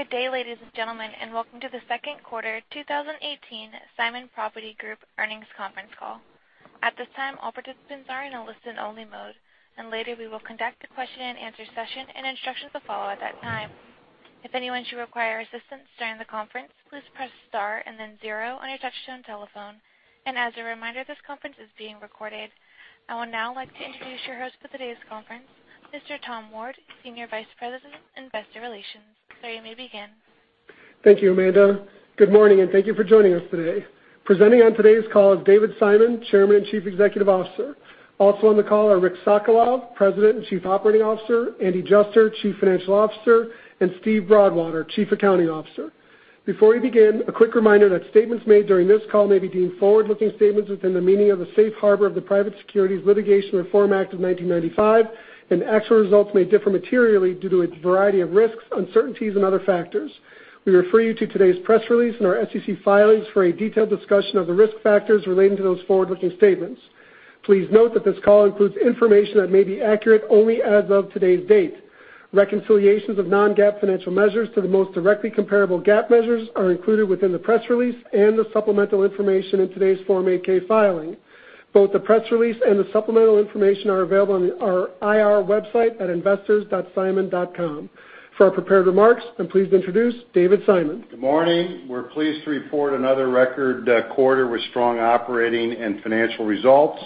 Good day, ladies and gentlemen, and welcome to the second quarter 2018 Simon Property Group earnings conference call. At this time, all participants are in a listen-only mode. Later we will conduct a question-and-answer session, and instructions will follow at that time. If anyone should require assistance during the conference, please press star and then zero on your touch-tone telephone. As a reminder, this conference is being recorded. I would now like to introduce your host for today's conference, Mr. Tom Ward, Senior Vice President, Investor Relations. Sir, you may begin. Thank you, Amanda. Good morning. Thank you for joining us today. Presenting on today's call is David Simon, Chairman, Chief Executive Officer. Also on the call are Rick Sokolov, President and Chief Operating Officer, Andy Juster, Chief Financial Officer, and Steven Broadwater, Chief Accounting Officer. Before we begin, a quick reminder that statements made during this call may be deemed forward-looking statements within the meaning of the Safe Harbor of the Private Securities Litigation Reform Act of 1995. Actual results may differ materially due to a variety of risks, uncertainties, and other factors. We refer you to today's press release and our SEC filings for a detailed discussion of the risk factors relating to those forward-looking statements. Please note that this call includes information that may be accurate only as of today's date. Reconciliations of non-GAAP financial measures to the most directly comparable GAAP measures are included within the press release and the supplemental information in today's Form 8-K filing. Both the press release and the supplemental information are available on our IR website at investors.simon.com. For our prepared remarks, I'm pleased to introduce David Simon. Good morning. We're pleased to report another record quarter with strong operating and financial results.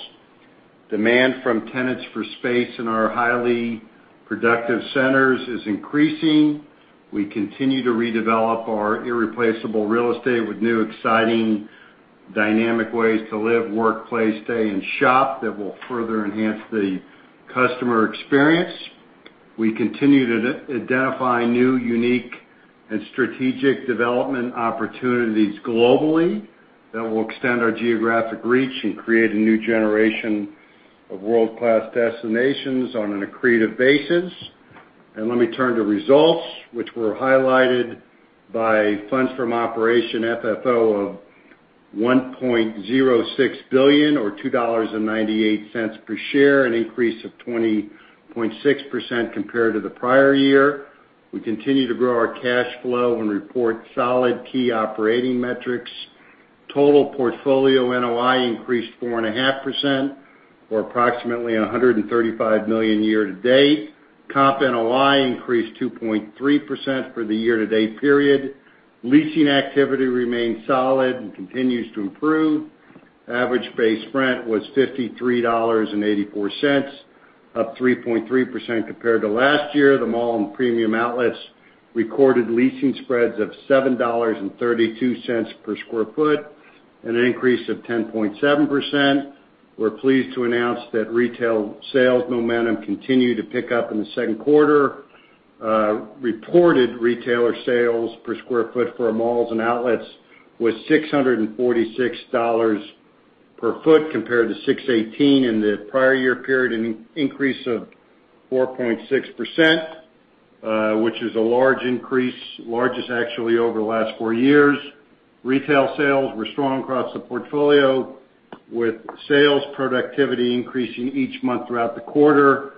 Demand from tenants for space in our highly productive centers is increasing. We continue to redevelop our irreplaceable real estate with new, exciting, dynamic ways to live, work, play, stay, and shop that will further enhance the customer experience. We continue to identify new, unique, and strategic development opportunities globally that will extend our geographic reach and create a new generation of world-class destinations on an accretive basis. Let me turn to results, which were highlighted by Funds From Operations FFO of $1.06 billion, or $2.98 per share, an increase of 20.6% compared to the prior year. We continue to grow our cash flow and report solid key operating metrics. Total portfolio NOI increased 4.5%, or approximately $135 million year to date. Comp NOI increased 2.3% for the year-to-date period. Leasing activity remains solid and continues to improve. Average base rent was $53.84, up 3.3% compared to last year. The mall and Premium Outlets recorded leasing spreads of $7.32 per sq ft, an increase of 10.7%. We're pleased to announce that retail sales momentum continued to pick up in the second quarter. Reported retailer sales per sq ft for our malls and outlets was $646 per sq ft, compared to $618 in the prior year period, an increase of 4.6%, which is a large increase, largest, actually, over the last four years. Retail sales were strong across the portfolio, with sales productivity increasing each month throughout the quarter.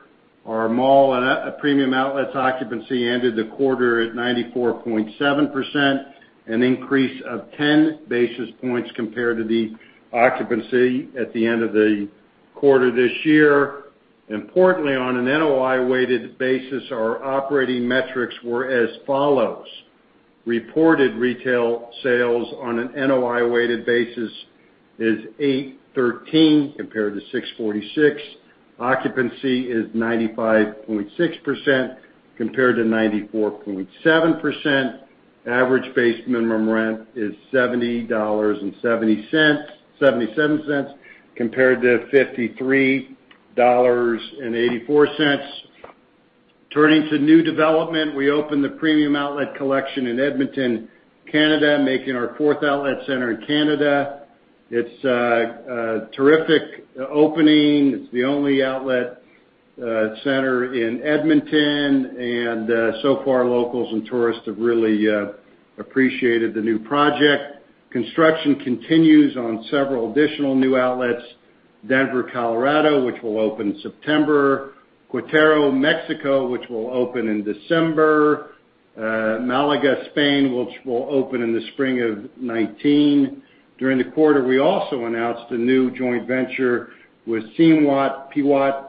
Our mall and Premium Outlets occupancy ended the quarter at 94.7%, an increase of 10 basis points compared to the occupancy at the end of the quarter this year. Importantly, on an NOI-weighted basis, our operating metrics were as follows. Reported retail sales on an NOI-weighted basis is $813 compared to $646. Occupancy is 95.6% compared to 94.7%. Average base minimum rent is $70.77 compared to $53.84. Turning to new development, we opened the Premium Outlets Collection in Edmonton, Canada, making our 4th outlet center in Canada. It's a terrific opening. It's the only outlet center in Edmonton, and so far, locals and tourists have really appreciated the new project. Construction continues on several additional new outlets. Denver, Colorado, which will open September, Querétaro, Mexico, which will open in December, Málaga, Spain, which will open in the spring of 2019. During the quarter, we also announced a new joint venture with Siam Piwat,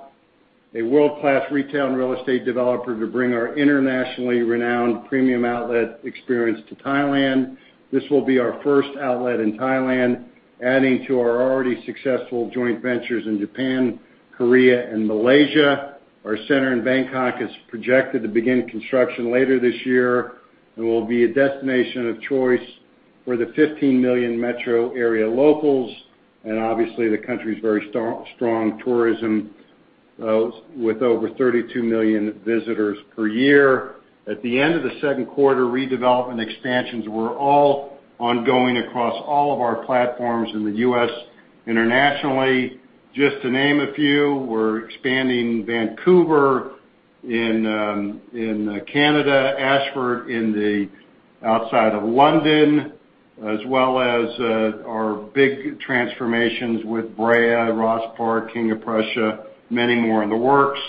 a world-class retail and real estate developer, to bring our internationally renowned Premium Outlets experience to Thailand. This will be our 1st outlet in Thailand, adding to our already successful joint ventures in Japan, Korea, and Malaysia. Our center in Bangkok is projected to begin construction later this year and will be a destination of choice for the 15 million metro area locals and obviously the country's very strong tourism with over 32 million visitors per year. At the end of the second quarter, redevelopment expansions were all ongoing across all of our platforms in the U.S., internationally. Just to name a few, we're expanding Vancouver in Canada, Ashford outside of London as well as our big transformations with Brea, Ross Park, King of Prussia, many more in the works.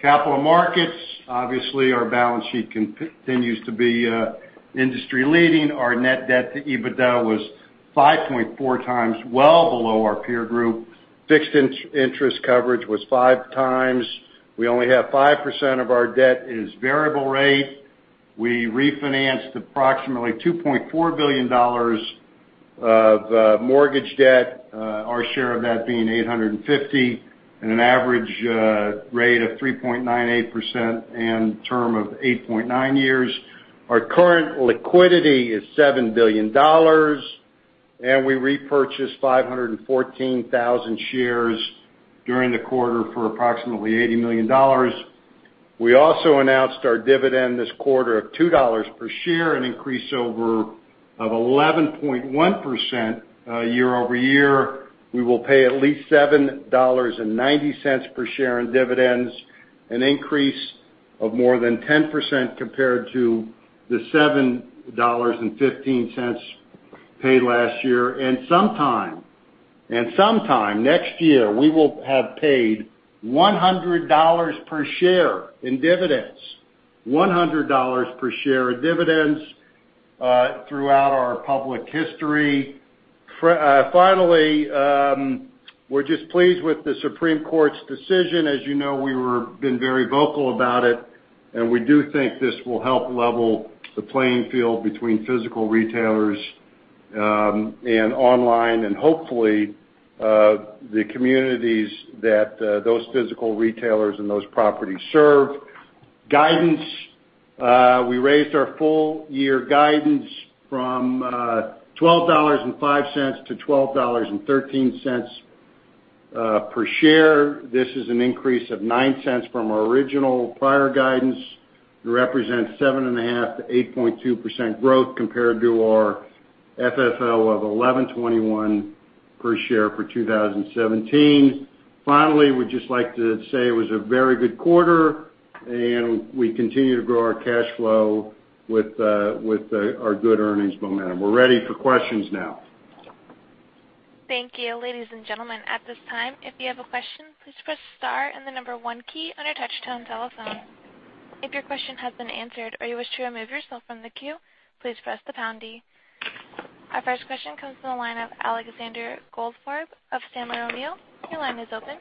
Capital markets, obviously, our balance sheet continues to be industry leading. Our net debt to EBITDA was 5.4x, well below our peer group. Fixed interest coverage was 5x. We only have 5% of our debt is variable rate. We refinanced approximately $2.4 billion of mortgage debt, our share of that being $850, at an average rate of 3.98% and term of 8.9 years. Our current liquidity is $7 billion, and we repurchased 514,000 shares during the quarter for approximately $80 million. We also announced our dividend this quarter of $2 per share, an increase of 11.1% year-over-year. We will pay at least $7.90 per share in dividends, an increase of more than 10% compared to the $7.15 paid last year. Sometime next year, we will have paid $100 per share in dividends. $100 per share in dividends, throughout our public history. Finally, we're just pleased with the Supreme Court's decision. As you know, we were, been very vocal about it, and we do think this will help level the playing field between physical retailers and online, and hopefully, the communities that those physical retailers and those properties serve. Guidance, we raised our full year guidance from $12.05 to $12.13 per share. This is an increase of $0.09 from our original prior guidance and represents 7.5%-8.2% growth compared to our FFO of $11.21 per share for 2017. Finally, we'd just like to say it was a very good quarter, and we continue to grow our cash flow with our good earnings momentum. We're ready for questions now. Thank you. Ladies and gentlemen, at this time, if you have a question, please press star and the number one key on your touch tone telephone. If your question has been answered or you wish to remove yourself from the queue, please press the pound key. Our first question comes from the line of Alexander Goldfarb of Sandler O'Neill. Your line is open.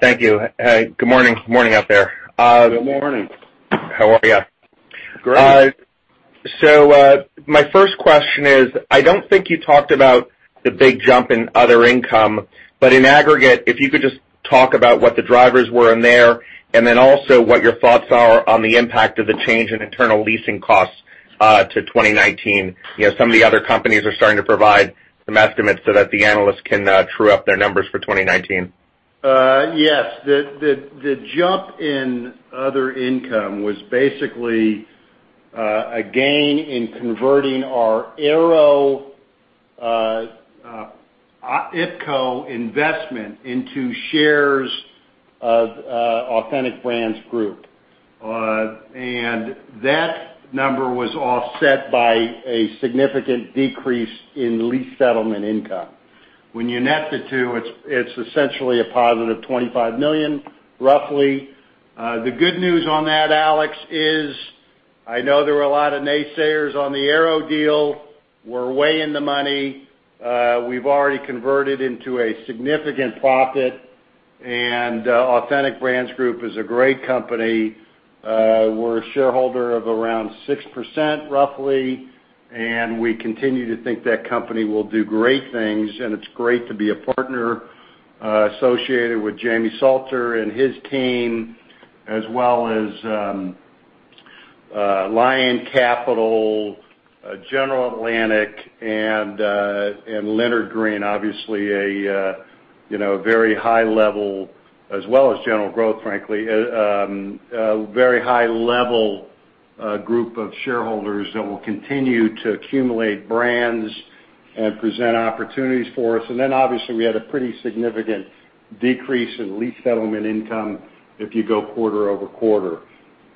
Thank you. Hey, good morning. Morning out there. Good morning. How are you? Great. My first question is, I don't think you talked about the big jump in other income, in aggregate, if you could just talk about what the drivers were in there, also what your thoughts are on the impact of the change in internal leasing costs to 2019. Some of the other companies are starting to provide some estimates so that the analysts can true up their numbers for 2019. Yes. The jump in other income was basically a gain in converting our Aéropostale IPCo investment into shares of Authentic Brands Group. That number was offset by a significant decrease in lease settlement income. When you net the two, it's essentially a positive $25 million, roughly. The good news on that, Alex, is I know there were a lot of naysayers on the Aéropostale deal. We're way in the money. We've already converted into a significant profit, Authentic Brands Group is a great company. We're a shareholder of around 6% roughly, we continue to think that company will do great things. It's great to be a partner associated with Jamie Salter and his team, as well as Lion Capital, General Atlantic, and Leonard Green, obviously, a very high level as well as General Growth Properties, frankly, a very high level group of shareholders that will continue to accumulate brands and present opportunities for us. Obviously, we had a pretty significant decrease in lease settlement income if you go quarter-over-quarter.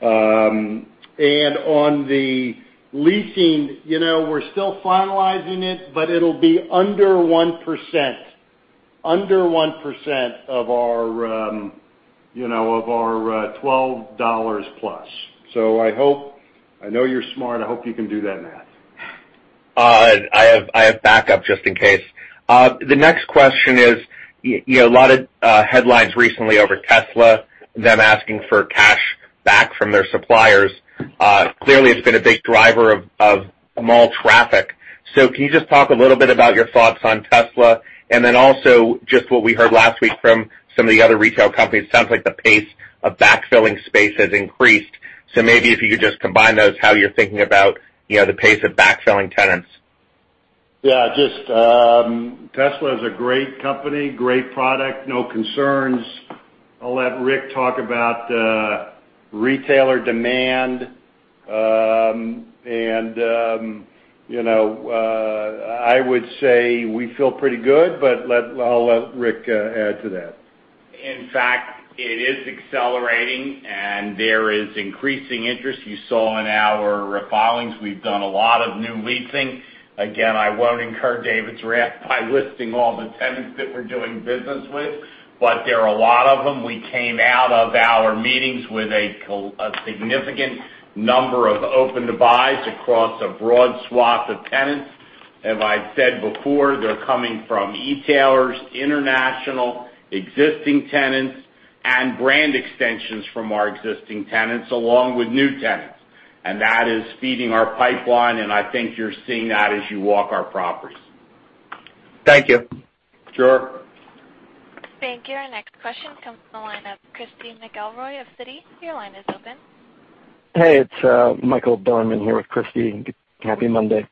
On the leasing, we're still finalizing it, but it'll be under 1%, under 1% of our $12 plus. I know you're smart. I hope you can do that math. I have backup just in case. The next question is, a lot of headlines recently over Tesla, them asking for cash back from their suppliers. Clearly, it's been a big driver of mall traffic. Can you just talk a little bit about your thoughts on Tesla, and then also just what we heard last week from some of the other retail companies, it sounds like the pace of backfilling space has increased. Maybe if you could just combine those, how you're thinking about the pace of backfilling tenants. Tesla is a great company, great product. No concerns. I'll let Rick talk about retailer demand. I would say we feel pretty good, but I'll let Rick add to that. In fact, it is accelerating and there is increasing interest. You saw in our filings, we've done a lot of new leasing. I won't incur David's wrath by listing all the tenants that we're doing business with, but there are a lot of them. We came out of our meetings with a significant number of open to buys across a broad swath of tenants. As I've said before, they're coming from e-tailers, international, existing tenants, and brand extensions from our existing tenants, along with new tenants. That is feeding our pipeline, and I think you're seeing that as you walk our properties. Thank you. Sure. Thank you. Our next question comes from the line of Christy McElroy of Citi. Your line is open. Hey, it's Michael Bilerman here with Christy. Happy Monday.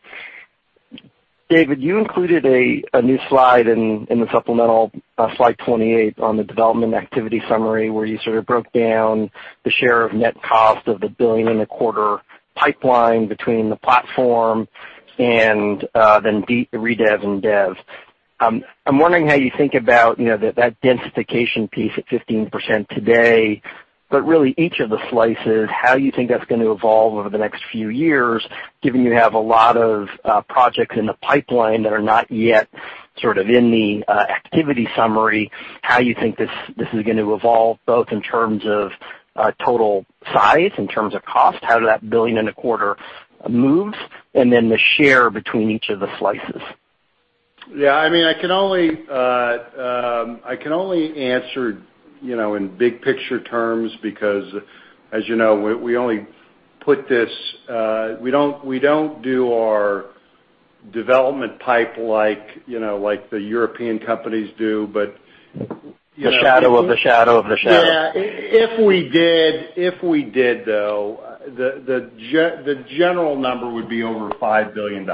David, you included a new slide in the supplemental, slide 28, on the development activity summary, where you sort of broke down the share of net cost of the billion and a quarter pipeline between the platform and then re-dev and dev. I'm wondering how you think about that densification piece at 15% today, but really each of the slices, how you think that's going to evolve over the next few years, given you have a lot of projects in the pipeline that are not yet sort of in the activity summary, how you think this is going to evolve, both in terms of total size, in terms of cost, how that billion and a quarter moves, and then the share between each of the slices. I can only answer in big picture terms because as you know, we don't do our development pipe like the European companies do. The shadow of the shadow of the shadow If we did, though, the general number would be over $5 billion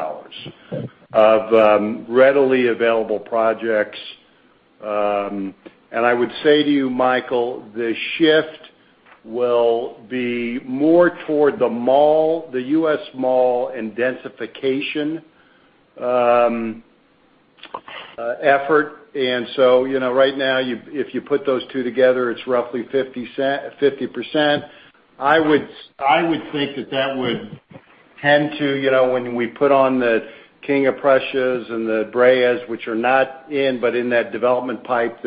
of readily available projects. I would say to you, Michael, the shift will be more toward the mall, the U.S. mall and densification effort. Right now, if you put those two together, it's roughly 50%. I would think that that would tend to, when we put on the King of Prussia and the Brea which are not in, but in that development pipe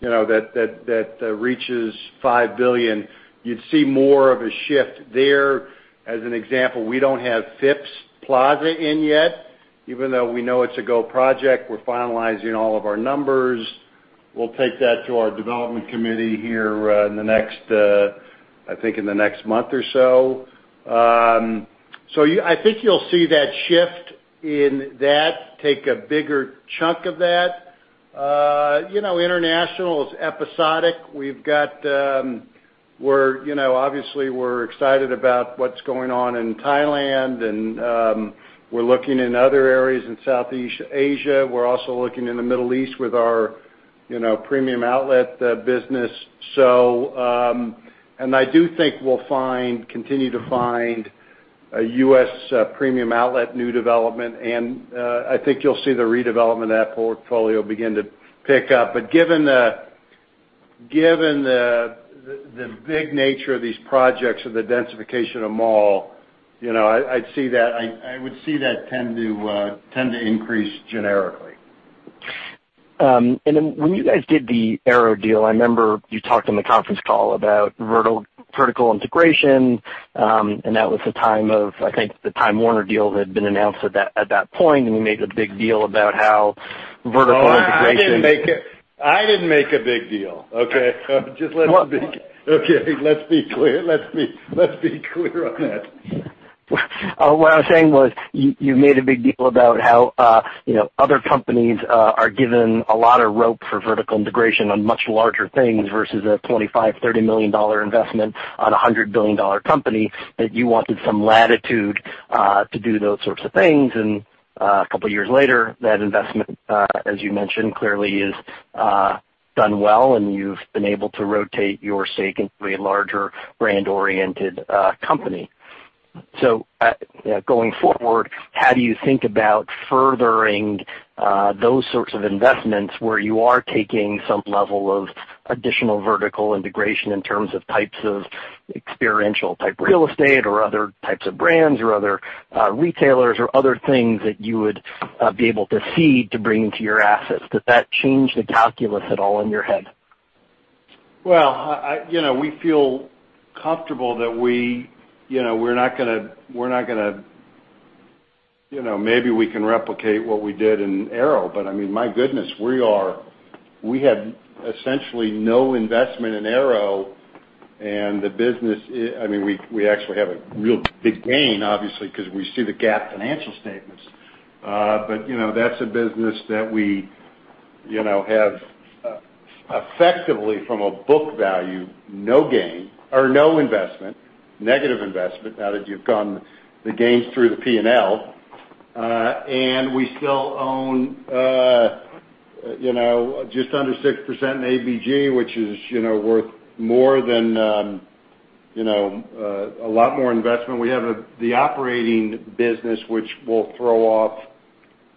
that reaches $5 billion, you'd see more of a shift there. As an example, we don't have Phipps Plaza in yet, even though we know it's a go project. We're finalizing all of our numbers. We'll take that to our development committee here, I think, in the next month or so. I think you'll see that shift in that take a bigger chunk of that. International is episodic. Obviously, we're excited about what's going on in Thailand and we're looking in other areas in Southeast Asia. We're also looking in the Middle East with our Premium Outlets business. I do think we'll continue to find a U.S. Premium Outlets new development, and I think you'll see the redevelopment of that portfolio begin to pick up. Given the big nature of these projects of the densification of mall, I would see that tend to increase generically. When you guys did the Aéropostale deal, I remember you talked on the conference call about vertical integration, and that was the time of, I think, the Time Warner deal had been announced at that point, and we made a big deal about how vertical integration I didn't make a big deal, okay? Just let it be. Let's be clear on that. What I was saying was, you made a big deal about how other companies are given a lot of rope for vertical integration on much larger things versus a $25 million, $30 million investment on a $100 billion company, that you wanted some latitude to do those sorts of things. A couple of years later, that investment, as you mentioned, clearly has done well, and you've been able to rotate your stake into a larger brand-oriented company. Going forward, how do you think about furthering those sorts of investments where you are taking some level of additional vertical integration in terms of types of experiential type real estate or other types of brands or other retailers or other things that you would be able to see to bring into your assets? Does that change the calculus at all in your head? Well, we feel comfortable. Maybe we can replicate what we did in Aéropostale, but, my goodness, we had essentially no investment in Aéropostale and the business. We actually have a real big gain, obviously, because we see the GAAP financial statements. That's a business that we have effectively from a book value, no gain or no investment, negative investment now that you've gotten the gains through the P&L. We still own just under 6% in ABG, which is worth a lot more investment. We have the operating business, which will throw off,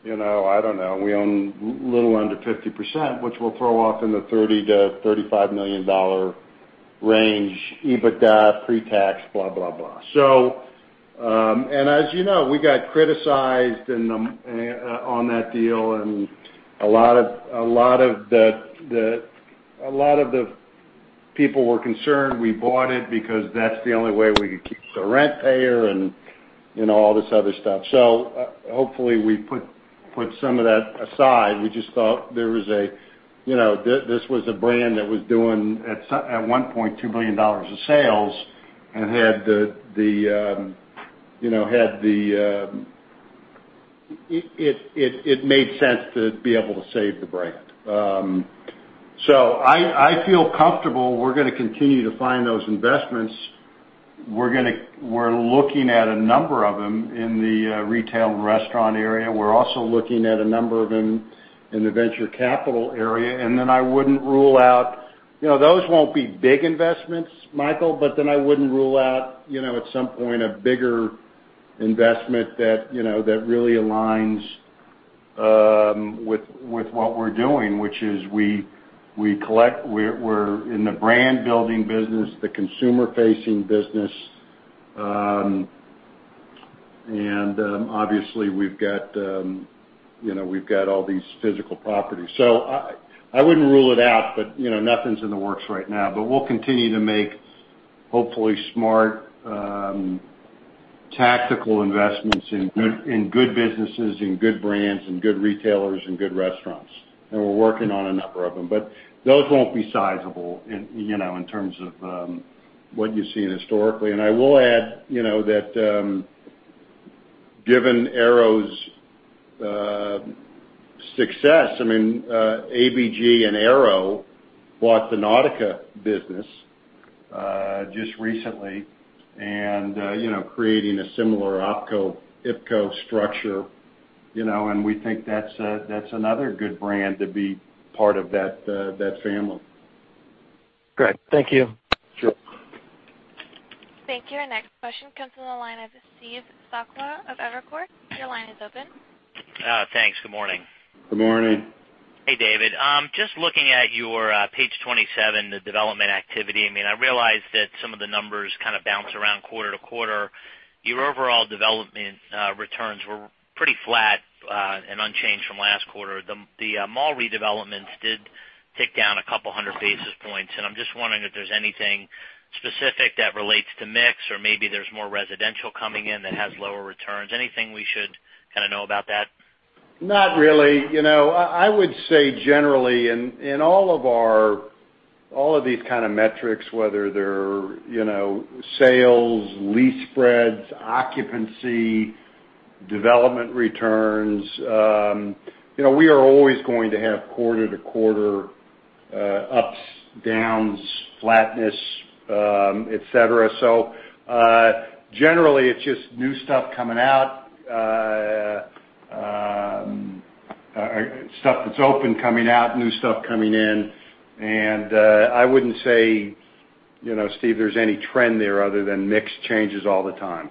I don't know, we own little under 50%, which will throw off in the $30 million to $35 million range, EBITDA, pre-tax, blah, blah. As you know, we got criticized on that deal, and a lot of the people were concerned we bought it because that's the only way we could keep the rent payer and all this other stuff. Hopefully we put some of that aside. We just thought this was a brand that was doing at one point, $2 billion of sales and it made sense to be able to save the brand. I feel comfortable we're going to continue to find those investments. We're looking at a number of them in the retail and restaurant area. We're also looking at a number of them in the venture capital area. Then I wouldn't rule out. Those won't be big investments, Michael, but then I wouldn't rule out, at some point, a bigger investment that really aligns with what we're doing, which is we collect, we're in the brand building business, the consumer-facing business. Obviously, we've got all these physical properties. I wouldn't rule it out, but nothing's in the works right now. We'll continue to make, hopefully, smart, tactical investments in good businesses, in good brands, in good retailers, in good restaurants. We're working on a number of them, but those won't be sizable in terms of what you've seen historically. I will add that given Aéropostale's success, ABG and Aéropostale bought the Nautica business just recently, creating a similar OpCo, IPCo structure, we think that's another good brand to be part of that family. Great. Thank you. Sure. Thank you. Our next question comes from the line of Steve Sakwa of Evercore ISI. Your line is open. Thanks. Good morning. Good morning. Hey, David. Looking at your page 27, the development activity. I realize that some of the numbers kind of bounce around quarter-to-quarter. Your overall development returns were pretty flat, and unchanged from last quarter. The mall redevelopments did tick down 200 basis points, and I'm just wondering if there's anything specific that relates to mix or maybe there's more residential coming in that has lower returns. Anything we should kind of know about that? Not really. I would say generally, in all of these kind of metrics, whether they're sales, lease spreads, occupancy, development returns, we are always going to have quarter-to-quarter ups, downs, flatness, et cetera. Generally it's just new stuff coming out, stuff that's open coming out, new stuff coming in. I wouldn't say, Steve, there's any trend there other than mix changes all the time.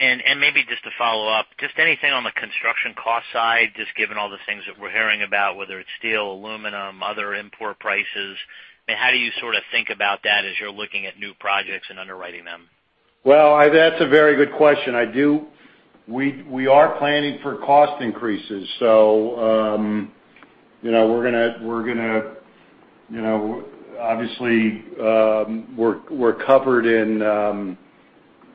Maybe just to follow up, just anything on the construction cost side, just given all the things that we're hearing about, whether it's steel, aluminum, other import prices, how do you sort of think about that as you're looking at new projects and underwriting them? Well, that is a very good question. We are planning for cost increases. Obviously, we are covered in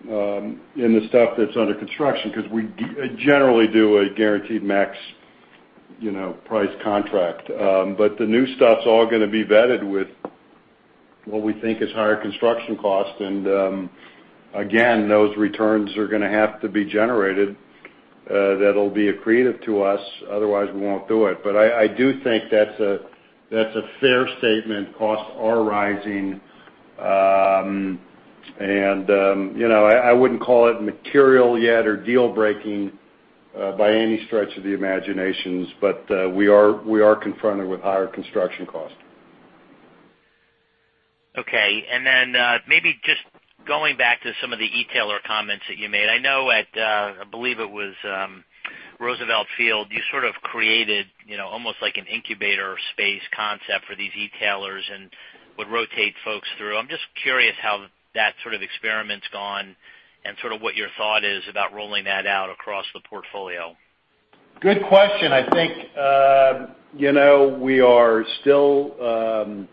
the stuff that is under construction because we generally do a guaranteed max price contract. The new stuff is all going to be vetted with what we think is higher construction cost. Again, those returns are going to have to be generated. That will be accretive to us, otherwise we will not do it. I do think that is a fair statement. Costs are rising. I would not call it material yet or deal breaking by any stretch of the imaginations, but we are confronted with higher construction cost. Okay. Maybe just going back to some of the e-tailer comments that you made. I know at, I believe it was Roosevelt Field, you sort of created almost like an incubator space concept for these e-tailers and would rotate folks through. I am just curious how that sort of experiment has gone and sort of what your thought is about rolling that out across the portfolio. Good question. We are still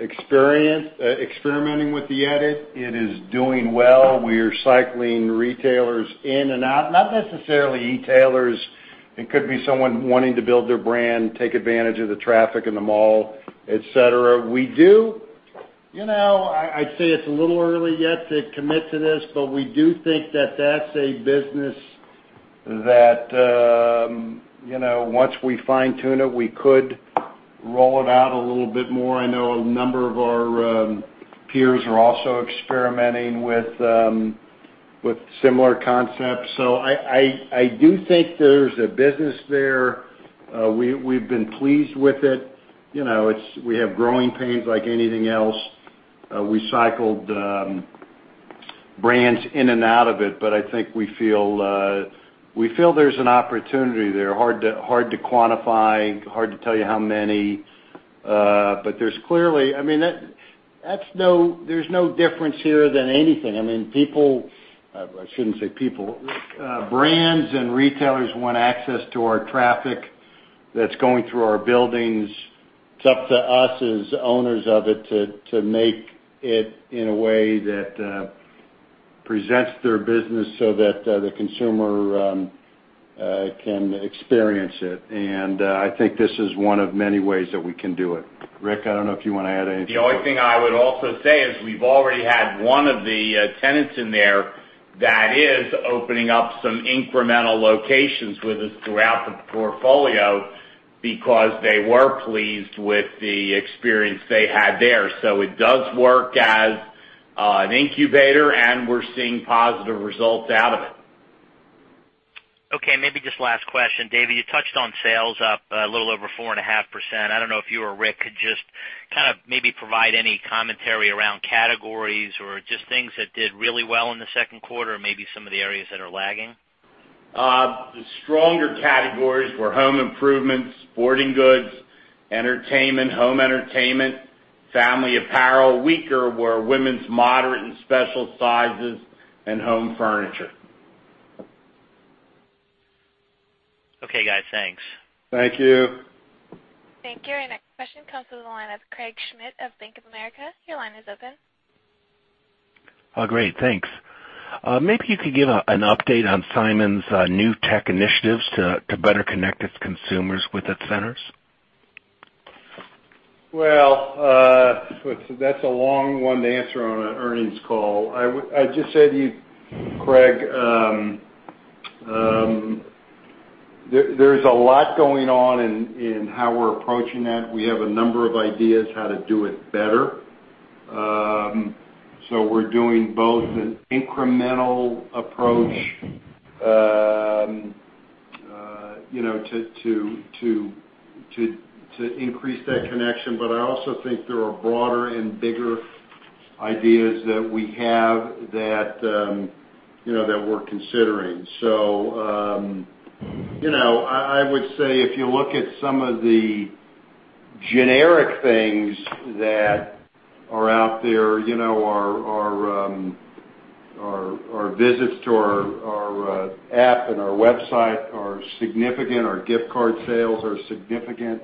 experimenting with The Edit. It is doing well. We are cycling retailers in and out. Not necessarily e-tailers. It could be someone wanting to build their brand, take advantage of the traffic in the mall, et cetera. I would say it is a little early yet to commit to this, but we do think that that is a business that once we fine tune it, we could roll it out a little bit more. I know a number of our peers are also experimenting with similar concepts. I do think there is a business there. We have been pleased with it. We have growing pains like anything else. We cycled brands in and out of it, but I think we feel there is an opportunity there. Hard to quantify, hard to tell you how many. There is no difference here than anything. Brands and retailers want access to our traffic that is going through our buildings. It is up to us as owners of it to make it in a way that presents their business so that the consumer can experience it. I think this is one of many ways that we can do it. Rick, I do not know if you want to add anything. The only thing I would also say is we've already had one of the tenants in there that is opening up some incremental locations with us throughout the portfolio because they were pleased with the experience they had there. It does work as an incubator, and we're seeing positive results out of it. Okay, maybe just last question. David, you touched on sales up a little over 4.5%. I don't know if you or Rick could just maybe provide any commentary around categories or just things that did really well in the second quarter, or maybe some of the areas that are lagging. The stronger categories were home improvements, sporting goods, entertainment, home entertainment, family apparel. Weaker were women's moderate and special sizes and home furniture. Okay, guys. Thanks. Thank you. Thank you. Our next question comes from the line of Craig Schmidt of Bank of America. Your line is open. Great, thanks. Maybe you could give an update on Simon's new tech initiatives to better connect its consumers with its centers. Well, that's a long one to answer on an earnings call. I'd just say to you, Craig, there's a lot going on in how we're approaching that. We have a number of ideas how to do it better. We're doing both an incremental approach to increase that connection. I also think there are broader and bigger ideas that we have that we're considering. I would say if you look at some of the generic things that are out there, our visits to our app and our website are significant. Our gift card sales are significant,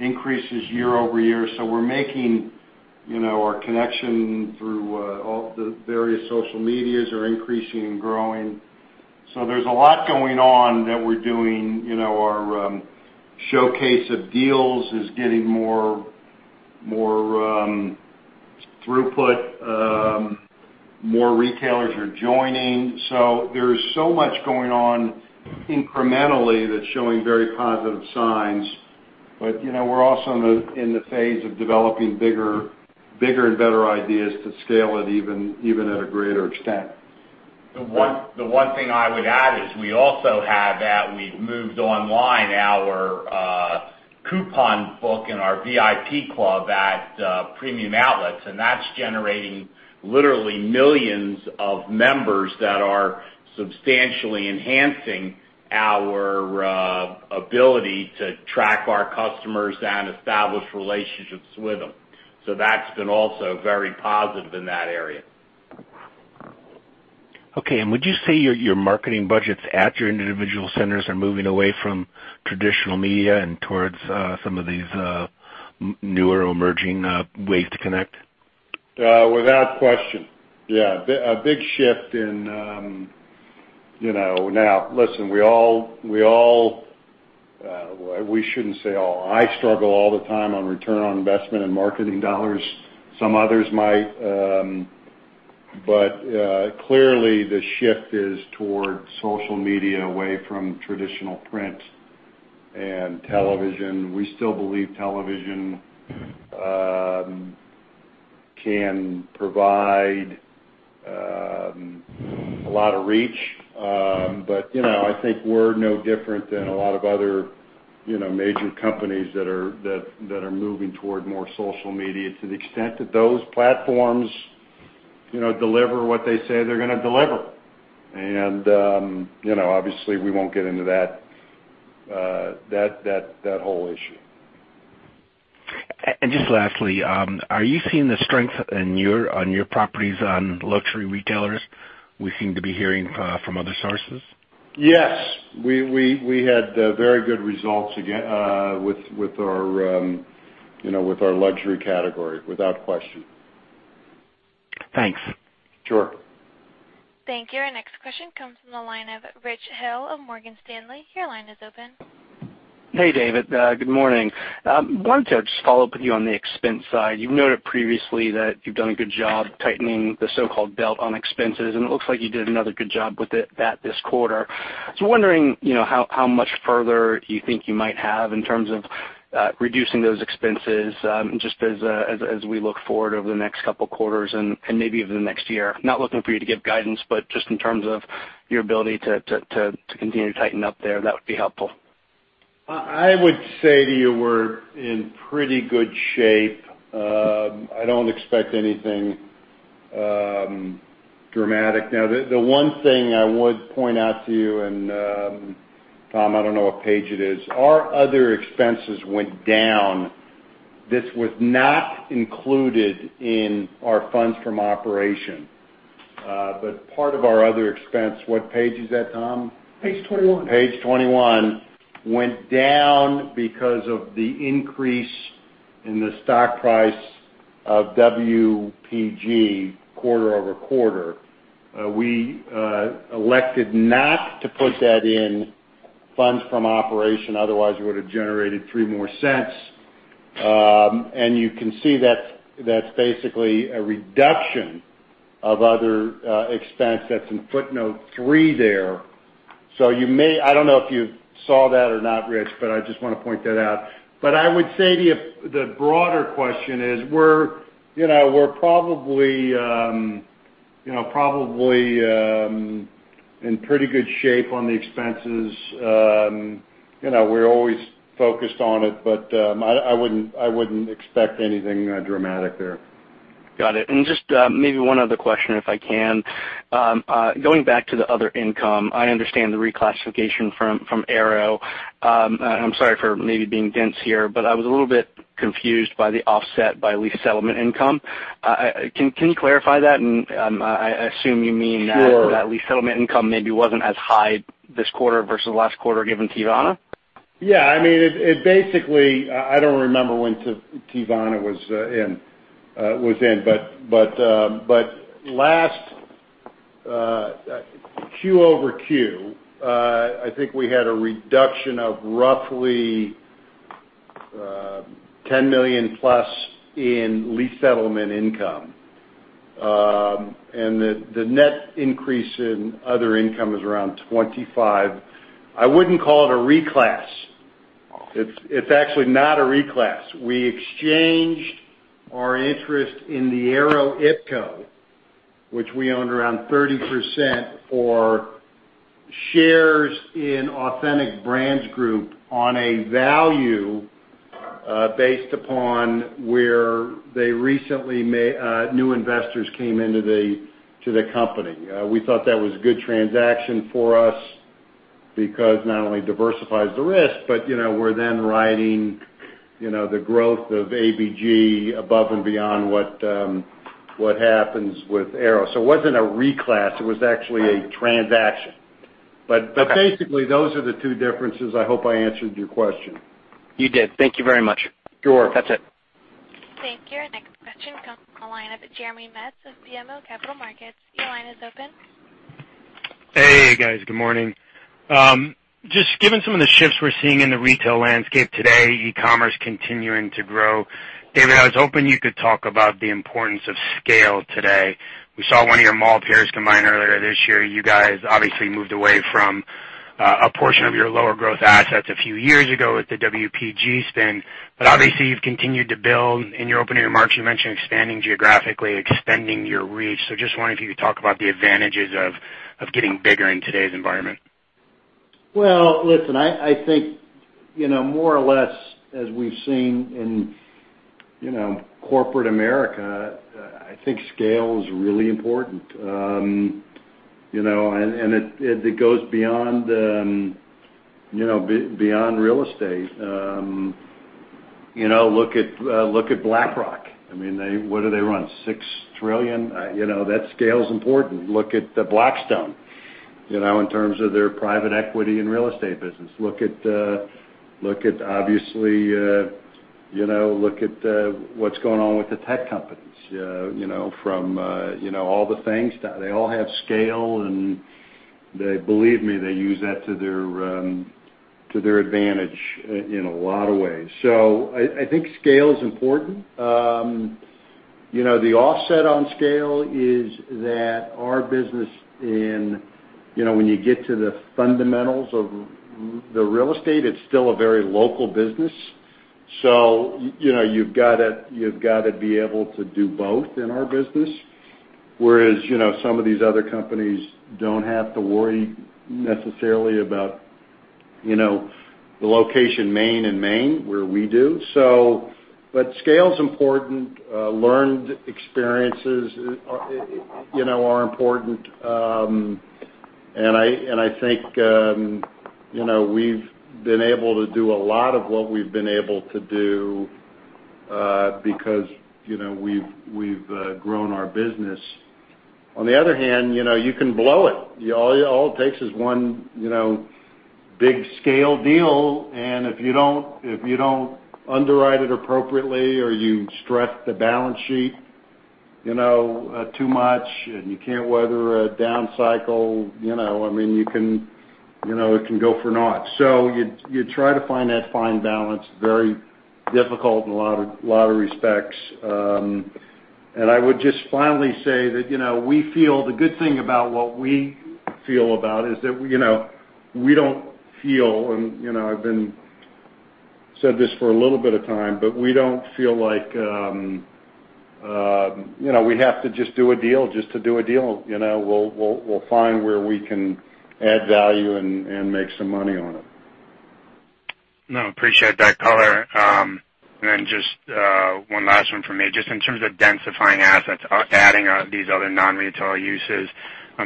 increases year-over-year. We're making our connection through all the various social medias are increasing and growing. There's a lot going on that we're doing. Our showcase of deals is getting more throughput. More retailers are joining. There's so much going on incrementally that's showing very positive signs. We're also in the phase of developing bigger and better ideas to scale it even at a greater extent. The one thing I would add is we also have that we've moved online our coupon book and our VIP Shopper Club at Premium Outlets, and that's generating literally millions of members that are substantially enhancing our ability to track our customers and establish relationships with them. That's been also very positive in that area. Okay, would you say your marketing budgets at your individual centers are moving away from traditional media and towards some of these newer emerging ways to connect? Without question, yeah. A big shift. Now, listen, we shouldn't say all. I struggle all the time on return on investment and marketing dollars. Some others might. Clearly, the shift is towards social media, away from traditional print and television. We still believe television can provide a lot of reach. I think we're no different than a lot of other major companies that are moving toward more social media to the extent that those platforms deliver what they say they're going to deliver. Obviously, we won't get into that whole issue. Just lastly, are you seeing the strength on your properties on luxury retailers we seem to be hearing from other sources? Yes. We had very good results again with our luxury category, without question. Thanks. Sure. Thank you. Our next question comes from the line of Richard Hill of Morgan Stanley. Your line is open. Hey, David. Good morning. I wanted to just follow up with you on the expense side. You've noted previously that you've done a good job tightening the so-called belt on expenses, it looks like you did another good job with it this quarter. I'm wondering, how much further do you think you might have in terms of reducing those expenses just as we look forward over the next couple quarters and maybe over the next year. Not looking for you to give guidance, just in terms of your ability to continue to tighten up there, that would be helpful. I would say to you we're in pretty good shape. I don't expect anything dramatic. The one thing I would point out to you, and Tom, I don't know what page it is, our other expenses went down. This was not included in our Funds From Operation. Part of our other expense, what page is that, Tom? Page 21. Page 21 went down because of the increase in the stock price of WPG quarter-over-quarter. We elected not to put that in Funds From Operation, otherwise, we would've generated $0.03 more. You can see that's basically a reduction of other expense. That's in footnote three there. I don't know if you saw that or not, Rich, I just want to point that out. I would say to you, the broader question is we're probably in pretty good shape on the expenses. We're always focused on it, but I wouldn't expect anything dramatic there. Got it. Just maybe one other question, if I can. Going back to the other income, I understand the reclassification from ARO. I'm sorry for maybe being dense here, I was a little bit confused by the offset by lease settlement income. Can you clarify that? I assume you mean. Sure lease settlement income maybe wasn't as high this quarter versus last quarter, given [Tidona]? Yeah. I don't remember when [Tidona] was in. Last quarter-over-quarter, I think we had a reduction of roughly $10 million plus in lease settlement income. The net increase in other income is around $25 million. I wouldn't call it a reclass. It's actually not a reclass. We exchanged our interest in the Aero IPCo, which we owned around 30%, for shares in Authentic Brands Group on a value based upon where new investors came into the company. We thought that was a good transaction for us because not only diversifies the risk, but we're then riding the growth of ABG above and beyond what happens with Aero. It wasn't a reclass, it was actually a transaction. Okay. Basically, those are the two differences. I hope I answered your question. You did. Thank you very much. Sure. That's it. Thank you. Our next question comes from the line of Jeremy Metz of BMO Capital Markets. Your line is open. Hey, guys. Good morning. Just given some of the shifts we're seeing in the retail landscape today, e-commerce continuing to grow, David, I was hoping you could talk about the importance of scale today. We saw one of your mall peers combine earlier this year. You guys obviously moved away from a portion of your lower growth assets a few years ago with the WPG spin, but obviously, you've continued to build. In your opening remarks, you mentioned expanding geographically, extending your reach. Just wondering if you could talk about the advantages of getting bigger in today's environment. Well, listen, I think more or less, as we've seen in corporate America, I think scale is really important. It goes beyond real estate. Look at BlackRock. What do they run? 6 trillion. That scale's important. Look at Blackstone, in terms of their private equity and real estate business. Look at what's going on with the tech companies, from all the things. They all have scale, and believe me, they use that to their advantage in a lot of ways. I think scale is important. The offset on scale is that our business in, when you get to the fundamentals of the real estate, it's still a very local business. You've got to be able to do both in our business, whereas some of these other companies don't have to worry necessarily about the location Main and Main where we do. Scale's important. Learned experiences are important. I think we've been able to do a lot of what we've been able to do because we've grown our business. On the other hand, you can blow it. All it takes is one big scale deal, and if you don't underwrite it appropriately or you stress the balance sheet too much and you can't weather a down cycle, it can go for naught. You try to find that fine balance. Very difficult in a lot of respects. I would just finally say that we feel the good thing about what we feel about is that we don't feel, and I've been saying this for a little bit of time, but we don't feel like we have to just do a deal just to do a deal. We'll find where we can add value and make some money on it. No, appreciate that color. Just one last one from me. Just in terms of densifying assets, adding these other non-retail uses.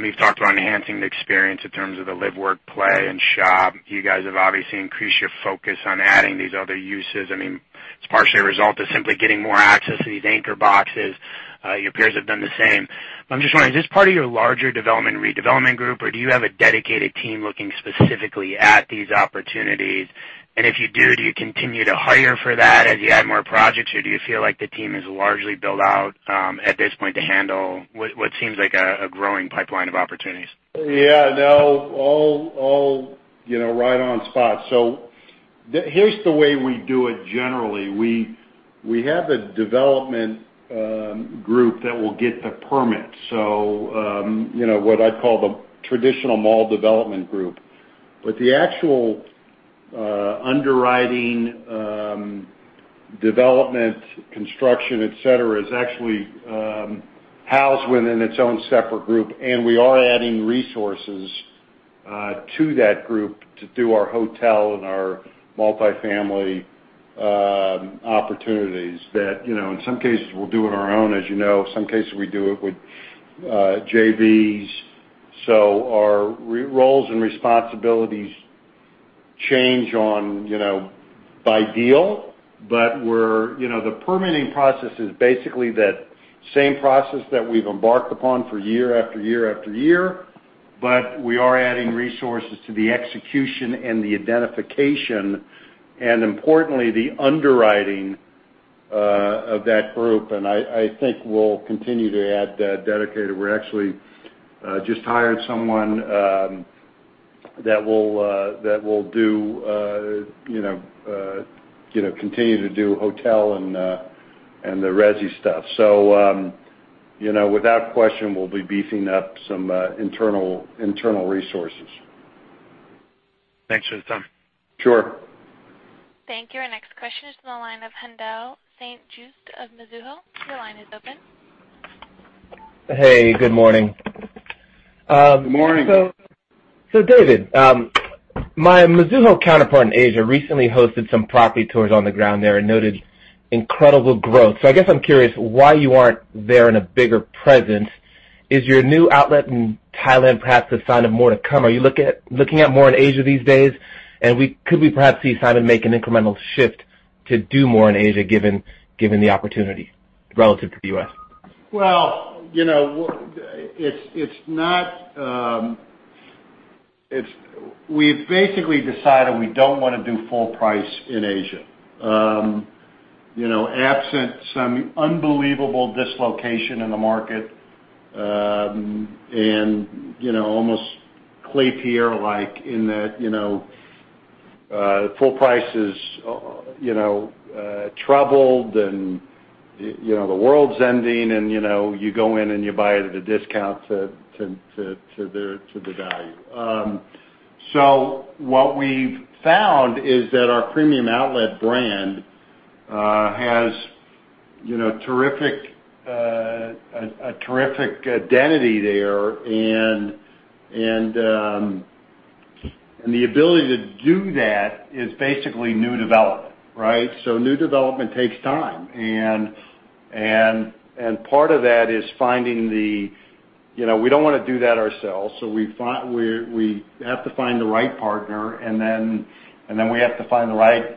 You've talked about enhancing the experience in terms of the live, work, play, and shop. You guys have obviously increased your focus on adding these other uses. It's partially a result of simply getting more access to these anchor boxes. Your peers have done the same. I'm just wondering, is this part of your larger development and redevelopment group, or do you have a dedicated team looking specifically at these opportunities? If you do you continue to hire for that as you add more projects, or do you feel like the team is largely built out at this point to handle what seems like a growing pipeline of opportunities? Yeah, no. Right on spot. Here's the way we do it generally. We have a development group that will get the permit. What I'd call the traditional mall development group. The actual underwriting, development, construction, et cetera, is actually housed within its own separate group, and we are adding resources to that group to do our hotel and our multi-family opportunities that, in some cases, we'll do on our own, as you know. Some cases, we do it with JVs. Our roles and responsibilities change by deal. The permitting process is basically that same process that we've embarked upon for year after year after year, but we are adding resources to the execution and the identification, and importantly, the underwriting of that group, and I think we'll continue to add that dedicated. We actually just hired someone that will continue to do hotel and the resi stuff. Without question, we'll be beefing up some internal resources. Thanks for the time. Sure. Thank you. Our next question is from the line of Haendel St. Juste of Mizuho. Your line is open. Hey, good morning. Good morning. David, my Mizuho counterpart in Asia recently hosted some property tours on the ground there and noted incredible growth. I guess I'm curious why you aren't there in a bigger presence. Is your new outlet in Thailand perhaps a sign of more to come? Are you looking at more in Asia these days? Could we perhaps see Simon make an incremental shift to do more in Asia, given the opportunity relative to the U.S.? We've basically decided we don't want to do full price in Asia. Absent some unbelievable dislocation in the market, and almost Klepierre-like in that full price is troubled and the world's ending and you go in and you buy it at a discount to the value. What we've found is that our Premium Outlets brand has a terrific identity there, and the ability to do that is basically new development, right? New development takes time, and part of that is We don't want to do that ourselves, so we have to find the right partner, and then we have to find the right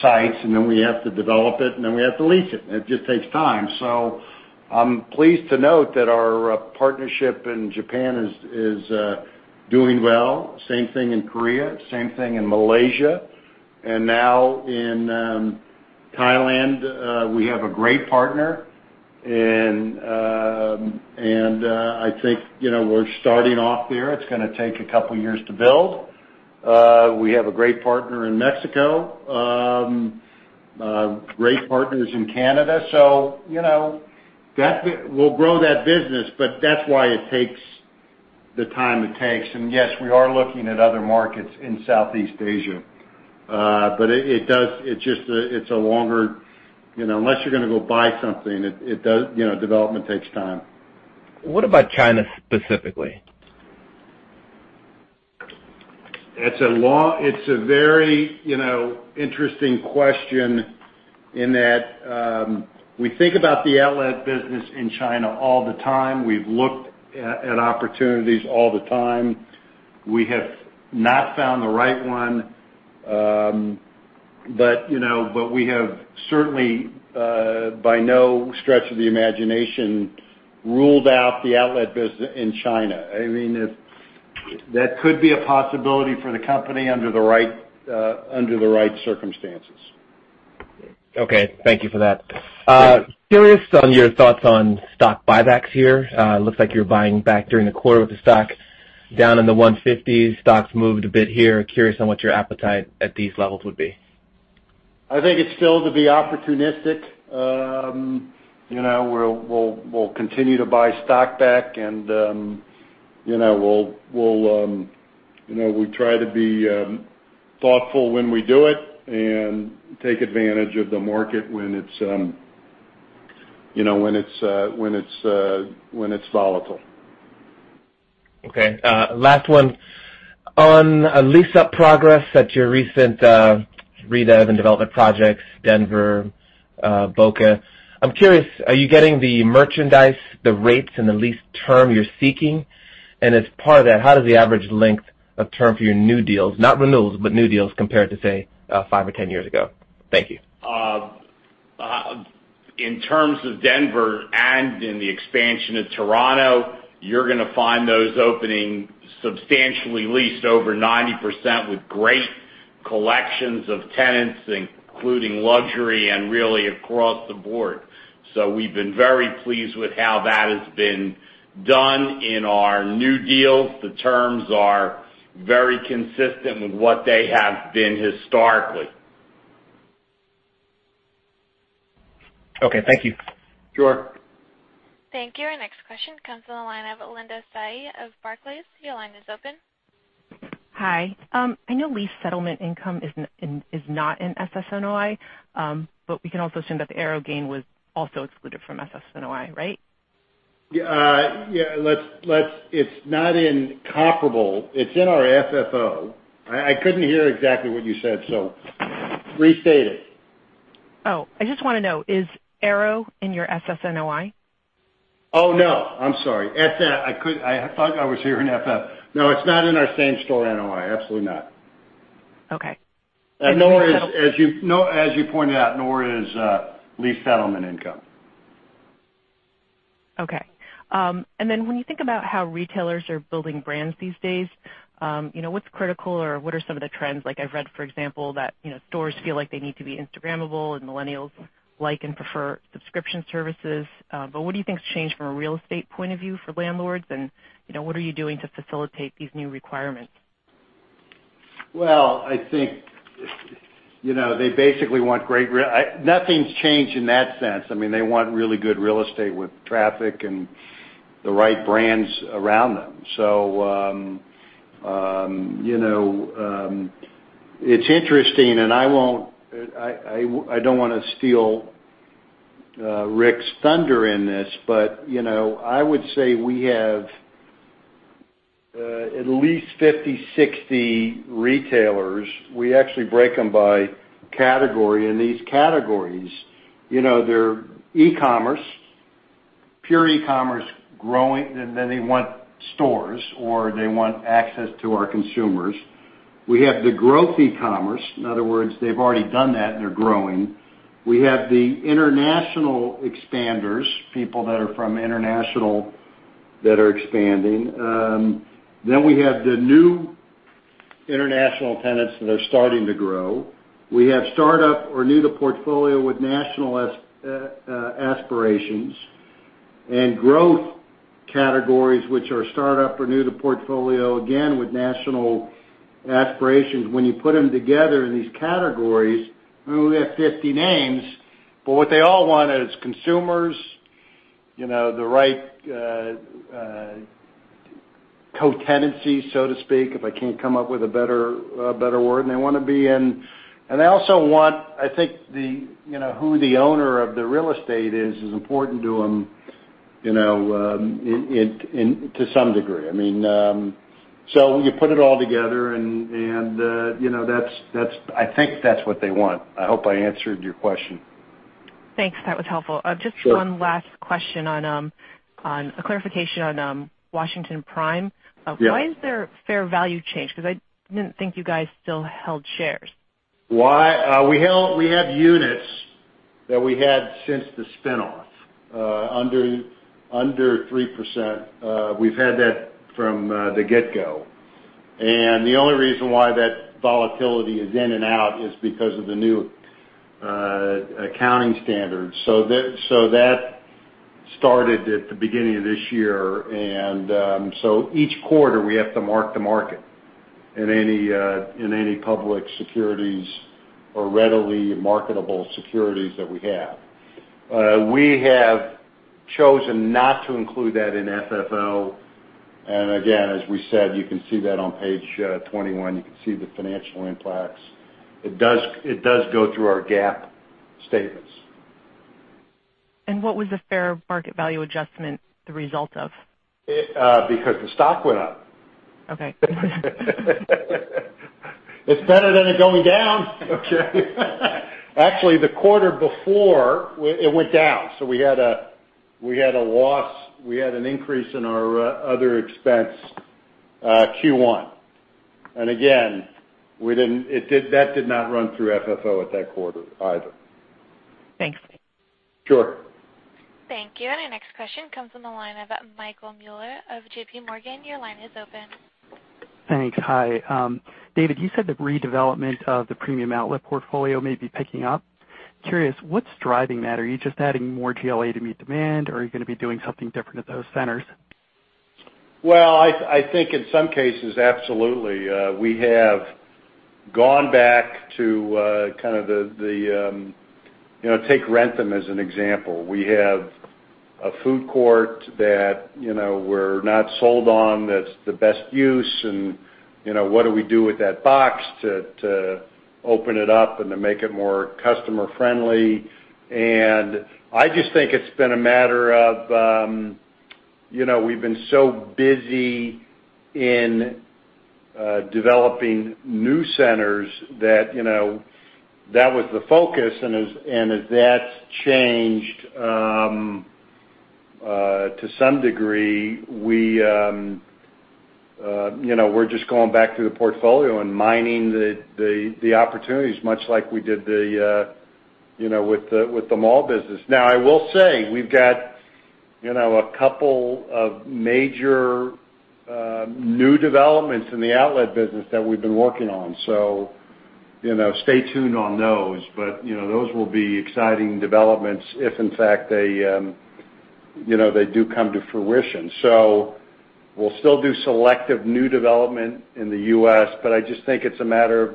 sites, and then we have to develop it, and then we have to lease it. It just takes time. I'm pleased to note that our partnership in Japan is doing well. Same thing in Korea, same thing in Malaysia. Now in Thailand, we have a great partner, and I think we're starting off there. It's going to take a couple years to build. We have a great partner in Mexico. Great partners in Canada. We'll grow that business, but that's why it takes the time it takes. Yes, we are looking at other markets in Southeast Asia. It's a longer, unless you're going to go buy something, development takes time. What about China specifically? It's a very interesting question in that we think about the outlet business in China all the time. We've looked at opportunities all the time. We have not found the right one. We have certainly, by no stretch of the imagination, ruled out the outlet business in China. That could be a possibility for the company under the right circumstances. Okay. Thank you for that. Yeah. Curious on your thoughts on stock buybacks here. It looks like you're buying back during the quarter with the stock down in the 150s. Stock's moved a bit here. Curious on what your appetite at these levels would be. I think it's still to be opportunistic. We'll continue to buy stock back, and we'll try to be thoughtful when we do it and take advantage of the market when it's volatile. Okay, last one. On lease-up progress at your recent redev and development projects, Denver, Boca. I'm curious, are you getting the merchandise, the rates, and the lease term you're seeking? How does the average length of term for your new deals, not renewals, but new deals, compare to, say, five or 10 years ago? Thank you. In terms of Denver and in the expansion of Toronto, you're going to find those opening substantially leased over 90% with great collections of tenants, including luxury and really across the board. We've been very pleased with how that has been done in our new deals. The terms are very consistent with what they have been historically. Okay, thank you. Sure. Thank you. Our next question comes from the line of Linda Tsai of Barclays. Your line is open. Hi. I know lease settlement income is not in SSNOI. We can also assume that the ARO gain was also excluded from SSNOI, right? Yeah. It's not in comparable. It's in our FFO. I couldn't hear exactly what you said. Restate it. Oh, I just want to know, is ARO in your SSNOI? Oh, no. I'm sorry. I thought I was hearing FF. No, it's not in our same store NOI. Absolutely not. Okay. As you pointed out, nor is lease settlement income. Okay. When you think about how retailers are building brands these days, what's critical or what are some of the trends? Like I've read, for example, that stores feel like they need to be Instagrammable and millennials like and prefer subscription services. What do you think has changed from a real estate point of view for landlords, and what are you doing to facilitate these new requirements? Well, I think nothing's changed in that sense. They want really good real estate with traffic and the right brands around them. It's interesting, and I don't want to steal Rick's thunder in this, but I would say we have at least 50, 60 retailers. We actually break them by category. These categories, they're e-commerce, pure e-commerce growing, and then they want stores, or they want access to our consumers. We have the growth e-commerce. In other words, they've already done that, and they're growing. We have the international expanders, people that are from international that are expanding. We have the new international tenants that are starting to grow. We have startup or new to portfolio with national aspirations and growth categories, which are startup or new to portfolio, again, with national aspirations. When you put them together in these categories, we only have 50 names, but what they all want is consumers, the right co-tenancy, so to speak, if I can't come up with a better word, they also want, I think, who the owner of the real estate is important to them to some degree. You put it all together, and I think that's what they want. I hope I answered your question. Thanks. That was helpful. Sure. Just one last question, a clarification on Washington Prime. Yeah. Why is their fair value changed? I didn't think you guys still held shares. We have units that we had since the spin-off, under 3%. We've had that from the get-go. The only reason why that volatility is in and out is because of the new accounting standards. That started at the beginning of this year. Each quarter, we have to mark the market in any public securities or readily marketable securities that we have. We have chosen not to include that in FFO. Again, as we said, you can see that on page 21. You can see the financial impacts. It does go through our GAAP statements. What was the fair market value adjustment the result of? The stock went up. Okay. It's better than it going down. Okay. Actually, the quarter before, it went down. We had a loss. We had an increase in our other expense Q1. Again, that did not run through FFO at that quarter either. Thanks. Sure. Thank you. Our next question comes from the line of Michael Mueller of JPMorgan. Your line is open. Thanks. Hi. David, you said the redevelopment of the Premium Outlets portfolio may be picking up. Curious, what's driving that? Are you just adding more GLA to meet demand, or are you going to be doing something different at those centers? I think in some cases, absolutely. We have gone back to kind of the Take Wrentham as an example. We have a food court that we're not sold on that's the best use, what do we do with that box to open it up and to make it more customer friendly? I just think it's been a matter of, we've been so busy in developing new centers that was the focus, and as that's changed to some degree, we're just going back through the portfolio and mining the opportunities, much like we did with the mall business. I will say we've got a couple of major new developments in the outlet business that we've been working on, so stay tuned on those. Those will be exciting developments if, in fact, they do come to fruition. We'll still do selective new development in the U.S., I just think it's a matter of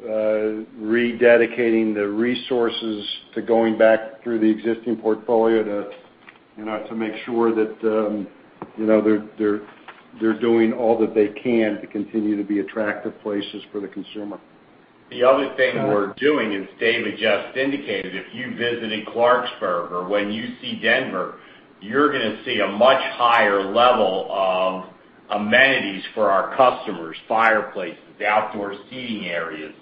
rededicating the resources to going back through the existing portfolio to make sure that they're doing all that they can to continue to be attractive places for the consumer. The other thing we're doing, as David Simon just indicated, if you visited Clarksburg or when you see Denver, you're going to see a much higher level of amenities for our customers, fireplaces, outdoor seating areas,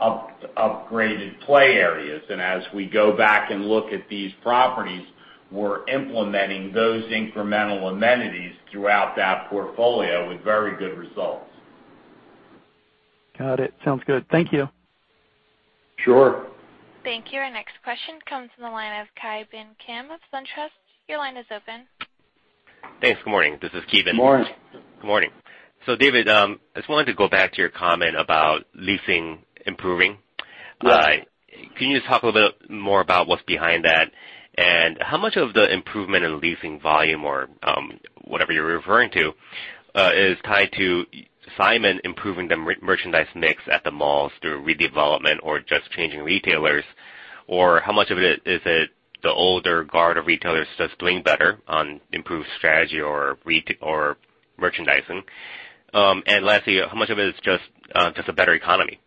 upgraded play areas. As we go back and look at these properties, we're implementing those incremental amenities throughout that portfolio with very good results. Got it. Sounds good. Thank you. Sure. Thank you. Our next question comes from the line of Ki Bin Kim of SunTrust. Your line is open. Thanks. Good morning. This is Ki Bin. Good morning. Good morning. David, I just wanted to go back to your comment about leasing improving. Yes. Can you just talk a little bit more about what's behind that, and how much of the improvement in leasing volume or whatever you're referring to, is tied to Simon improving the merchandise mix at the malls through redevelopment or just changing retailers? Or how much of it is it the older guard of retailers just doing better on improved strategy or merchandising? Lastly, how much of it is just a better economy?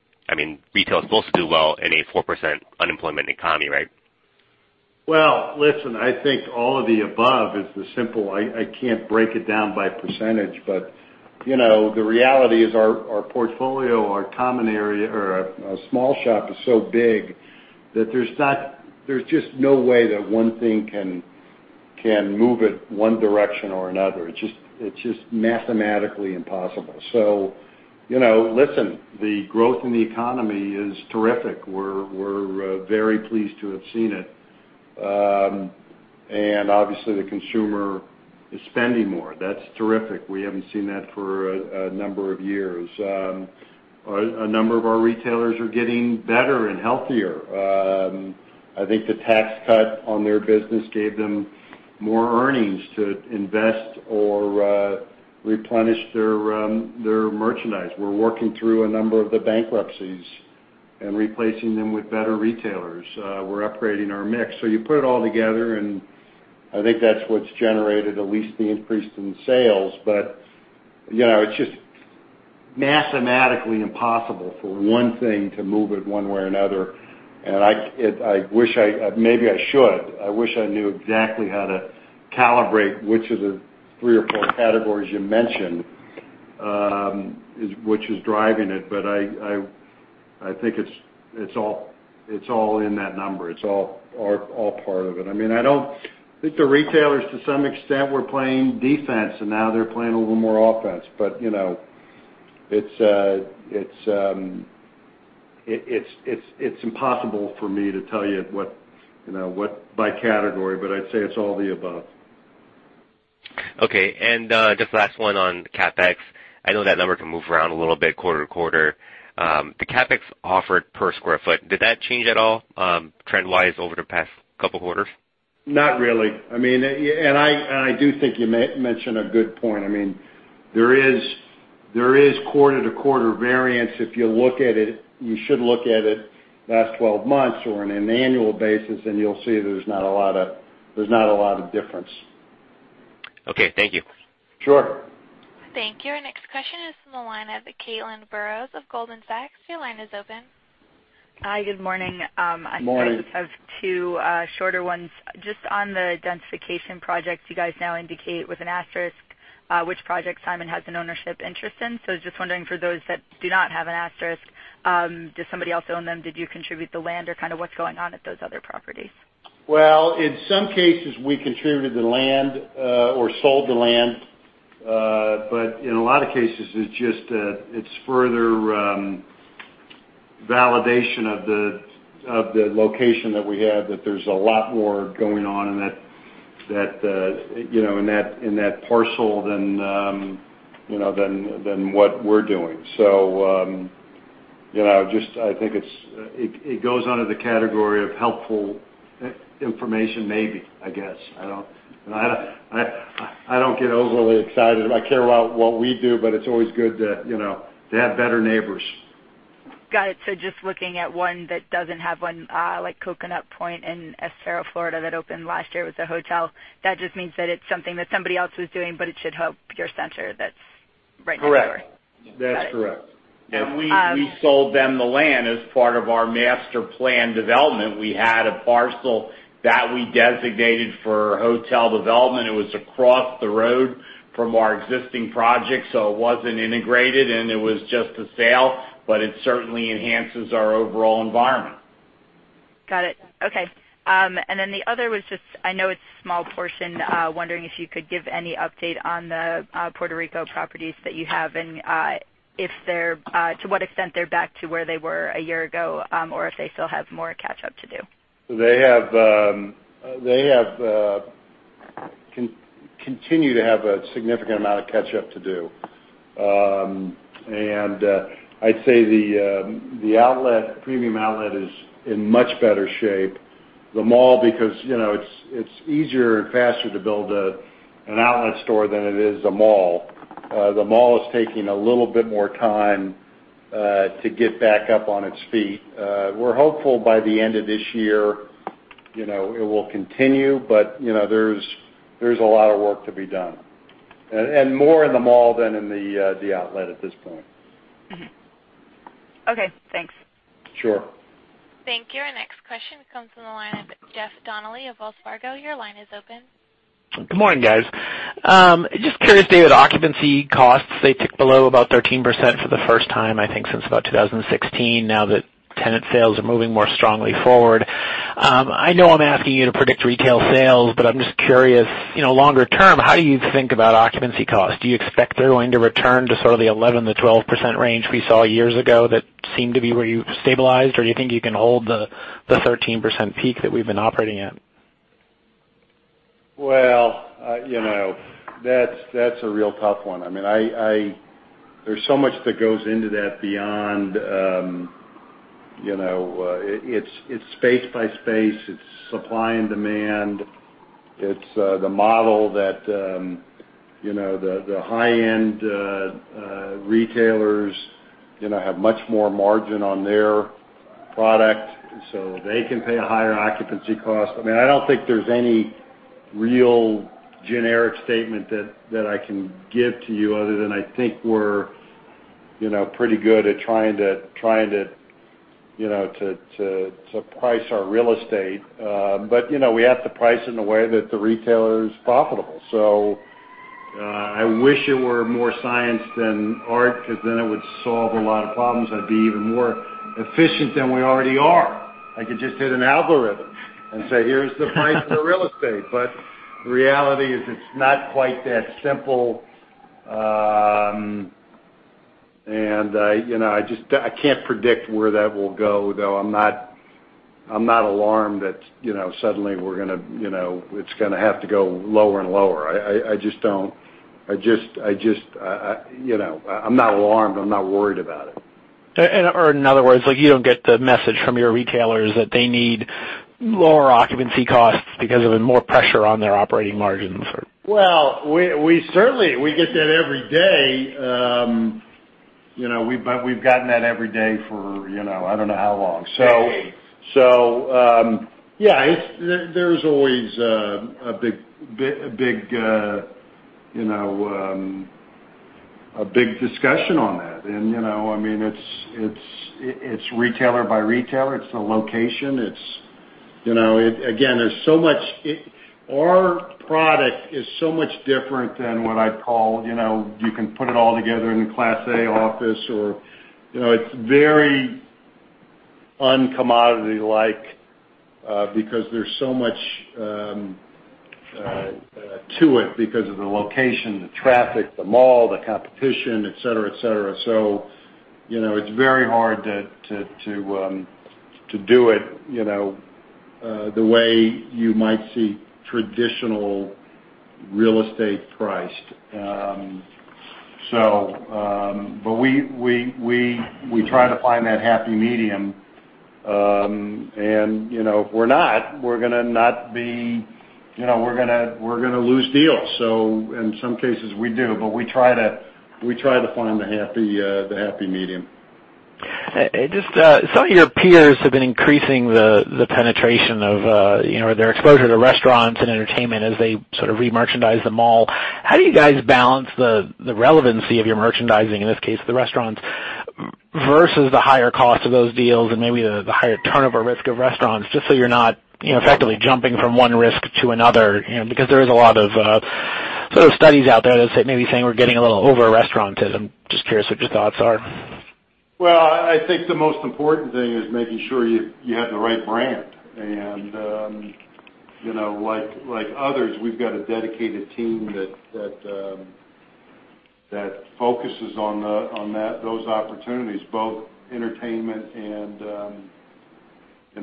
Retail is supposed to do well in a 4% unemployment economy, right? Well, listen, I think all of the above is the simple. I can't break it down by percentage, but the reality is our portfolio, our common area, or our small shop is so big that there's just no way that one thing can move it one direction or another. It's just mathematically impossible. Listen, the growth in the economy is terrific. We're very pleased to have seen it. Obviously, the consumer is spending more. That's terrific. We haven't seen that for a number of years. A number of our retailers are getting better and healthier. I think the tax cut on their business gave them more earnings to invest or replenish their merchandise. We're working through a number of the bankruptcies and replacing them with better retailers. We're upgrading our mix. You put it all together, and I think that's what's generated, at least the increase in sales. It's just mathematically impossible for one thing to move it one way or another. Maybe I should. I wish I knew exactly how to calibrate which of the three or four categories you mentioned, which is driving it. I think it's all in that number. It's all part of it. I think the retailers, to some extent, were playing defense, and now they're playing a little more offense. It's impossible for me to tell you by category, but I'd say it's all the above. Okay. Just last one on CapEx. I know that number can move around a little bit quarter-to-quarter. The CapEx offered per sq ft, did that change at all trend-wise over the past couple of quarters? Not really. I do think you mentioned a good point. There is quarter-to-quarter variance. If you look at it, you should look at it last 12 months or on an annual basis, and you'll see there's not a lot of difference. Okay. Thank you. Sure. Thank you. Our next question is from the line of Caitlin Burrows of Goldman Sachs. Your line is open. Hi, good morning. Morning. I just have two shorter ones. Just on the densification project, you guys now indicate with an asterisk which project Simon has an ownership interest in. Just wondering for those that do not have an asterisk, does somebody else own them? Did you contribute the land or kind of what's going on at those other properties? In some cases, we contributed the land or sold the land. In a lot of cases, it's further validation of the location that we have that there's a lot more going on in that parcel than what we're doing. I think it goes under the category of helpful information, maybe. I guess. I don't get overly excited. I care about what we do, but it's always good to have better neighbors. Got it. Just looking at one that doesn't have one, like Coconut Point in Estero, Florida, that opened last year. It was a hotel. That just means that it's something that somebody else was doing, but it should help your center that's right next door. Correct. That's correct. We sold them the land as part of our master plan development. We had a parcel that we designated for hotel development. It was across the road from our existing project, so it wasn't integrated, and it was just a sale, but it certainly enhances our overall environment. Got it. Okay. The other was just, I know it's a small portion, wondering if you could give any update on the Puerto Rico properties that you have, and to what extent they're back to where they were a year ago, or if they still have more catch up to do. They continue to have a significant amount of catch up to do. I'd say the Premium Outlet is in much better shape. The mall, because it's easier and faster to build an outlet store than it is a mall. The mall is taking a little bit more time to get back up on its feet. We're hopeful by the end of this year, it will continue. There's a lot of work to be done. More in the mall than in the outlet at this point. Okay, thanks. Sure. Thank you. Our next question comes from the line of Jeff Donnelly of Wells Fargo. Your line is open. Good morning, guys. Just curious, David, occupancy costs, they tick below about 13% for the first time, I think, since about 2016, now that tenant sales are moving more strongly forward. I know I'm asking you to predict retail sales, but I'm just curious, longer term, how do you think about occupancy cost? Do you expect they're going to return to sort of the 11%-12% range we saw years ago that seemed to be where you've stabilized, or do you think you can hold the 13% peak that we've been operating at? Well, that's a real tough one. There's so much that goes into that. It's space by space, it's supply and demand. It's the model that the high-end retailers have much more margin on their product, so they can pay a higher occupancy cost. I don't think there's any real generic statement that I can give to you other than I think we're pretty good at trying to price our real estate. We have to price in a way that the retailer is profitable. I wish it were more science than art, because then it would solve a lot of problems and be even more efficient than we already are. I could just hit an algorithm and say, "Here's the price for real estate." The reality is it's not quite that simple. I can't predict where that will go, though I'm not alarmed that suddenly it's going to have to go lower and lower. I'm not alarmed. I'm not worried about it. In other words, you don't get the message from your retailers that they need lower occupancy costs because of more pressure on their operating margins, or? Well, we certainly get that every day. We've gotten that every day for I don't know how long. Decades. Yeah. There's always a big discussion on that. It's retailer by retailer. It's the location. Again, our product is so much different than what I'd call, you can put it all together in a class A office. It's very un-commodity-like because there's so much to it because of the location, the traffic, the mall, the competition, et cetera. It's very hard to do it the way you might see traditional real estate priced. But we try to find that happy medium. If we're not, we're going to lose deals. In some cases, we do, but we try to find the happy medium. Some of your peers have been increasing the penetration of their exposure to restaurants and entertainment as they sort of remerchandise the mall. How do you guys balance the relevancy of your merchandising, in this case, the restaurants, versus the higher cost of those deals and maybe the higher turnover risk of restaurants, just so you're not effectively jumping from one risk to another? Because there is a lot of sort of studies out there that say maybe saying we're getting a little over-restaurantism. Just curious what your thoughts are. Well, I think the most important thing is making sure you have the right brand. Like others, we've got a dedicated team that focuses on those opportunities, both entertainment and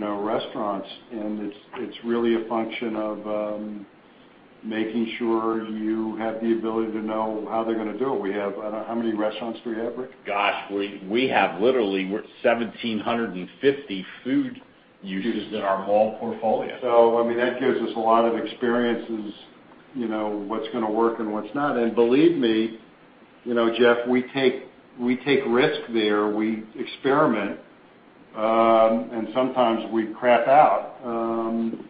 our restaurants, it's really a function of making sure you have the ability to know how they're going to do it. How many restaurants do we have, Rick? Gosh, we have literally 1,750 food uses in our mall portfolio. That gives us a lot of experiences, what's going to work and what's not. Believe me, Jeff, we take risks there, we experiment, and sometimes we crap out.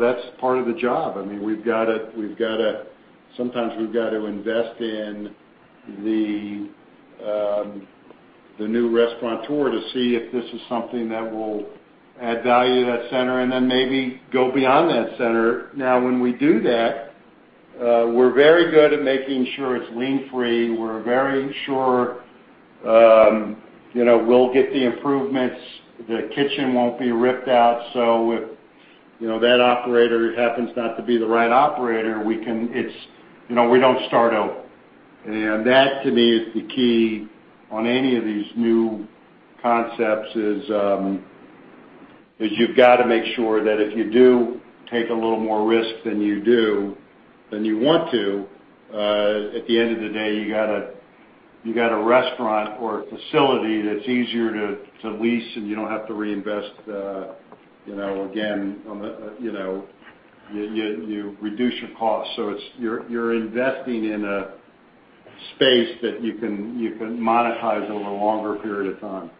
That's part of the job. Sometimes we've got to invest in the new restaurateur to see if this is something that will add value to that center, and then maybe go beyond that center. When we do that, we're very good at making sure it's lien-free. We're very sure we'll get the improvements. The kitchen won't be ripped out. If that operator happens not to be the right operator, we don't start over. That, to me, is the key on any of these new concepts, is you've got to make sure that if you do take a little more risk than you want to, at the end of the day, you got a restaurant or a facility that's easier to lease, and you don't have to reinvest again. You reduce your costs. You're investing in a space that you can monetize over a longer period of time.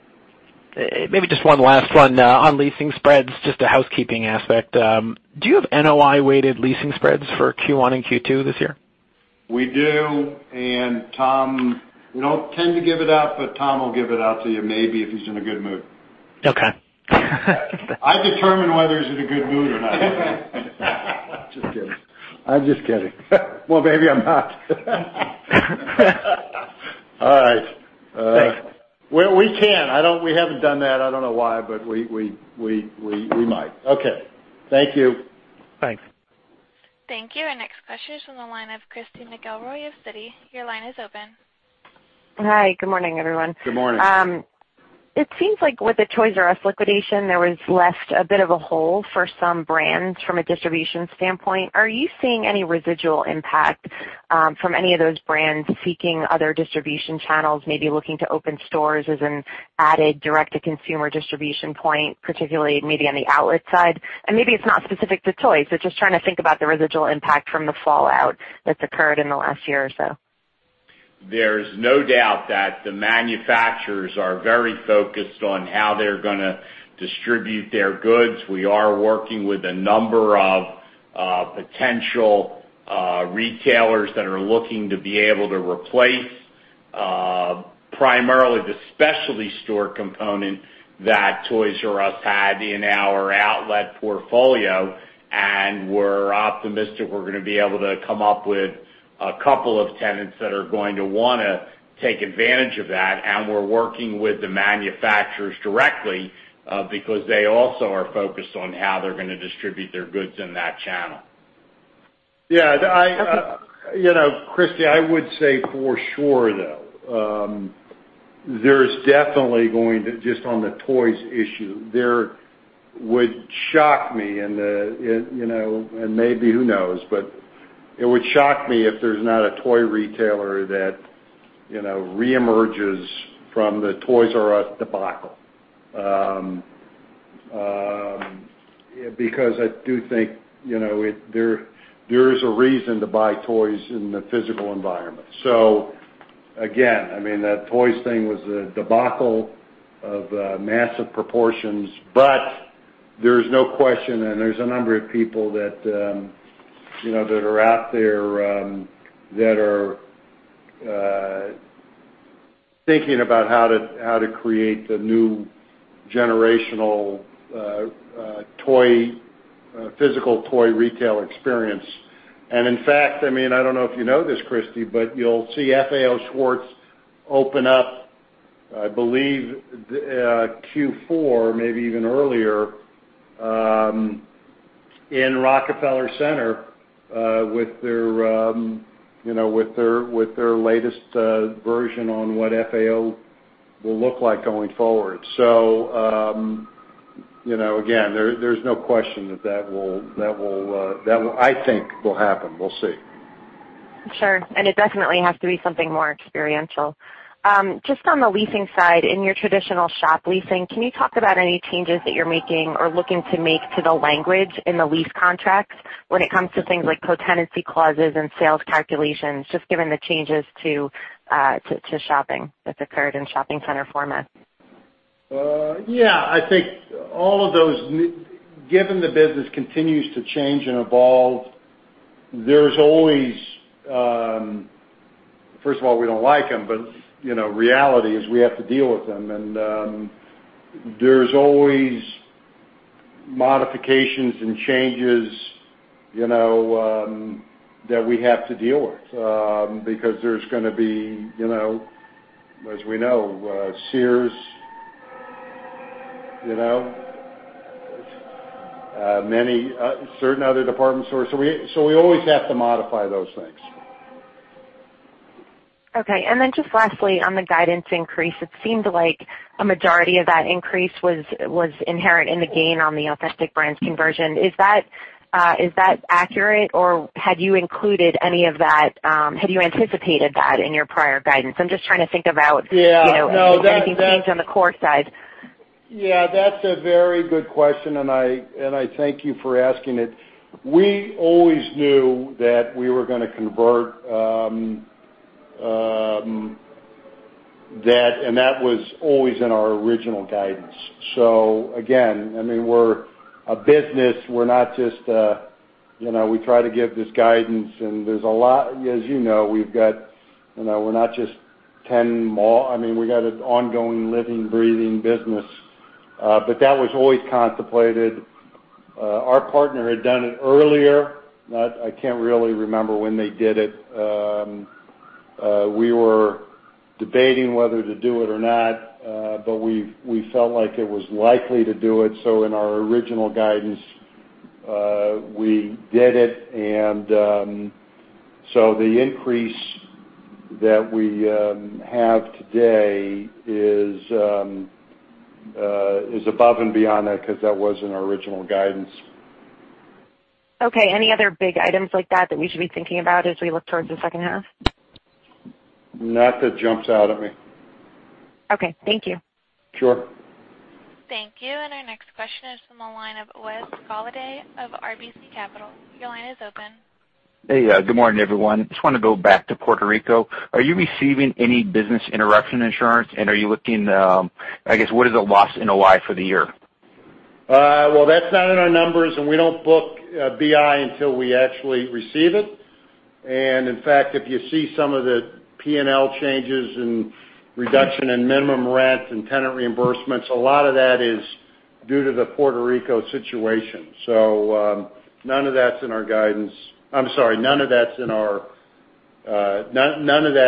Maybe just one last one on leasing spreads, just a housekeeping aspect. Do you have NOI-weighted leasing spreads for Q1 and Q2 this year? We do, and we don't tend to give it out, but Tom will give it out to you maybe if he's in a good mood. Okay. I determine whether he's in a good mood or not. Just kidding. I'm just kidding. Well, maybe I'm not. All right. Thanks. Well, we can. We haven't done that. I don't know why, but we might. Okay. Thank you. Thanks. Thank you. Our next question is from the line of Christy McElroy of Citi. Your line is open. Hi, good morning, everyone. Good morning. It seems like with the Toys 'R' Us liquidation, there was left a bit of a hole for some brands from a distribution standpoint. Are you seeing any residual impact from any of those brands seeking other distribution channels, maybe looking to open stores as an added direct-to-consumer distribution point, particularly maybe on the outlet side? Maybe it's not specific to toys, but just trying to think about the residual impact from the fallout that's occurred in the last year or so. There's no doubt that the manufacturers are very focused on how they're going to distribute their goods. We are working with a number of potential retailers that are looking to be able to replace primarily the specialty store component that Toys 'R' Us had in our outlet portfolio. We're optimistic we're going to be able to come up with a couple of tenants that are going to want to take advantage of that. We're working with the manufacturers directly because they also are focused on how they're going to distribute their goods in that channel. Yeah. Christy, I would say for sure, though, just on the toys issue, it would shock me, and maybe who knows, but it would shock me if there's not a toy retailer that re-emerges from the Toys 'R' Us debacle. Because I do think there is a reason to buy toys in the physical environment. Again, that toys thing was a debacle of massive proportions, but there's no question, and there's a number of people that are out there that are thinking about how to create the new generational physical toy retail experience. In fact, I don't know if you know this, Christy, but you'll see FAO Schwarz open up, I believe Q4, maybe even earlier, in Rockefeller Center with their latest version on what FAO will look like going forward. Again, there's no question that that, I think, will happen. We'll see. Sure. It definitely has to be something more experiential. Just on the leasing side, in your traditional shop leasing, can you talk about any changes that you're making or looking to make to the language in the lease contracts when it comes to things like co-tenancy clauses and sales calculations, just given the changes to shopping that's occurred in shopping center formats? Yeah, I think, given the business continues to change and evolve. First of all, we don't like them, but reality is we have to deal with them. There's always modifications and changes that we have to deal with because there's going to be, as we know, Sears, certain other department stores. We always have to modify those things. Okay. Just lastly, on the guidance increase, it seemed like a majority of that increase was inherent in the gain on the Authentic Brands conversion. Is that accurate, or had you anticipated that in your prior guidance? I'm just trying to think about- Yeah Anything changed on the core side? Yeah, that's a very good question, and I thank you for asking it. We always knew that we were going to convert that, and that was always in our original guidance. Again, we're a business, we try to give this guidance, and as you know, we've got an ongoing, living, breathing business. That was always contemplated. Our partner had done it earlier. I can't really remember when they did it. We were debating whether to do it or not. We felt like it was likely to do it, so in our original guidance, we did it. The increase that we have today is above and beyond that because that was in our original guidance. Okay. Any other big items like that that we should be thinking about as we look towards the second half? Not that jumps out at me. Okay. Thank you. Sure. Thank you. Our next question is from the line of Wes Golladay of RBC Capital Markets. Your line is open. Hey. Good morning, everyone. Just want to go back to Puerto Rico. Are you receiving any business interruption insurance, and I guess, what is the loss NOI for the year? Well, that's not in our numbers, and we don't book BI until we actually receive it. In fact, if you see some of the P&L changes and reduction in minimum rent and tenant reimbursements, a lot of that is due to the Puerto Rico situation. None of that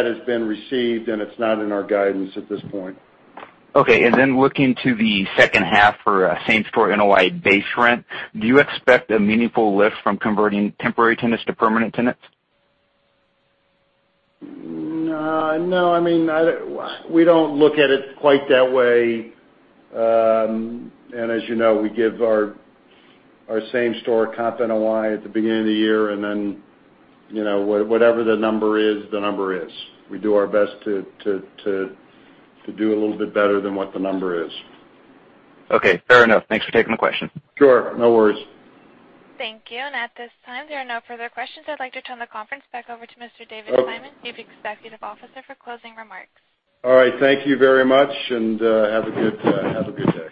has been received, and it's not in our guidance at this point. Okay. Looking to the second half for same-store NOI base rent, do you expect a meaningful lift from converting temporary tenants to permanent tenants? No. We don't look at it quite that way. As you know, we give our same-store comp NOI at the beginning of the year, then whatever the number is, the number is. We do our best to do a little bit better than what the number is. Okay. Fair enough. Thanks for taking the question. Sure. No worries. Thank you. At this time, there are no further questions. I'd like to turn the conference back over to Mr. David Simon, Chief Executive Officer, for closing remarks. All right. Thank you very much, and have a good day.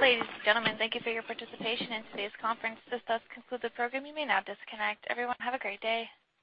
Ladies and gentlemen, thank you for your participation in today's conference. This does conclude the program. You may now disconnect. Everyone, have a great day.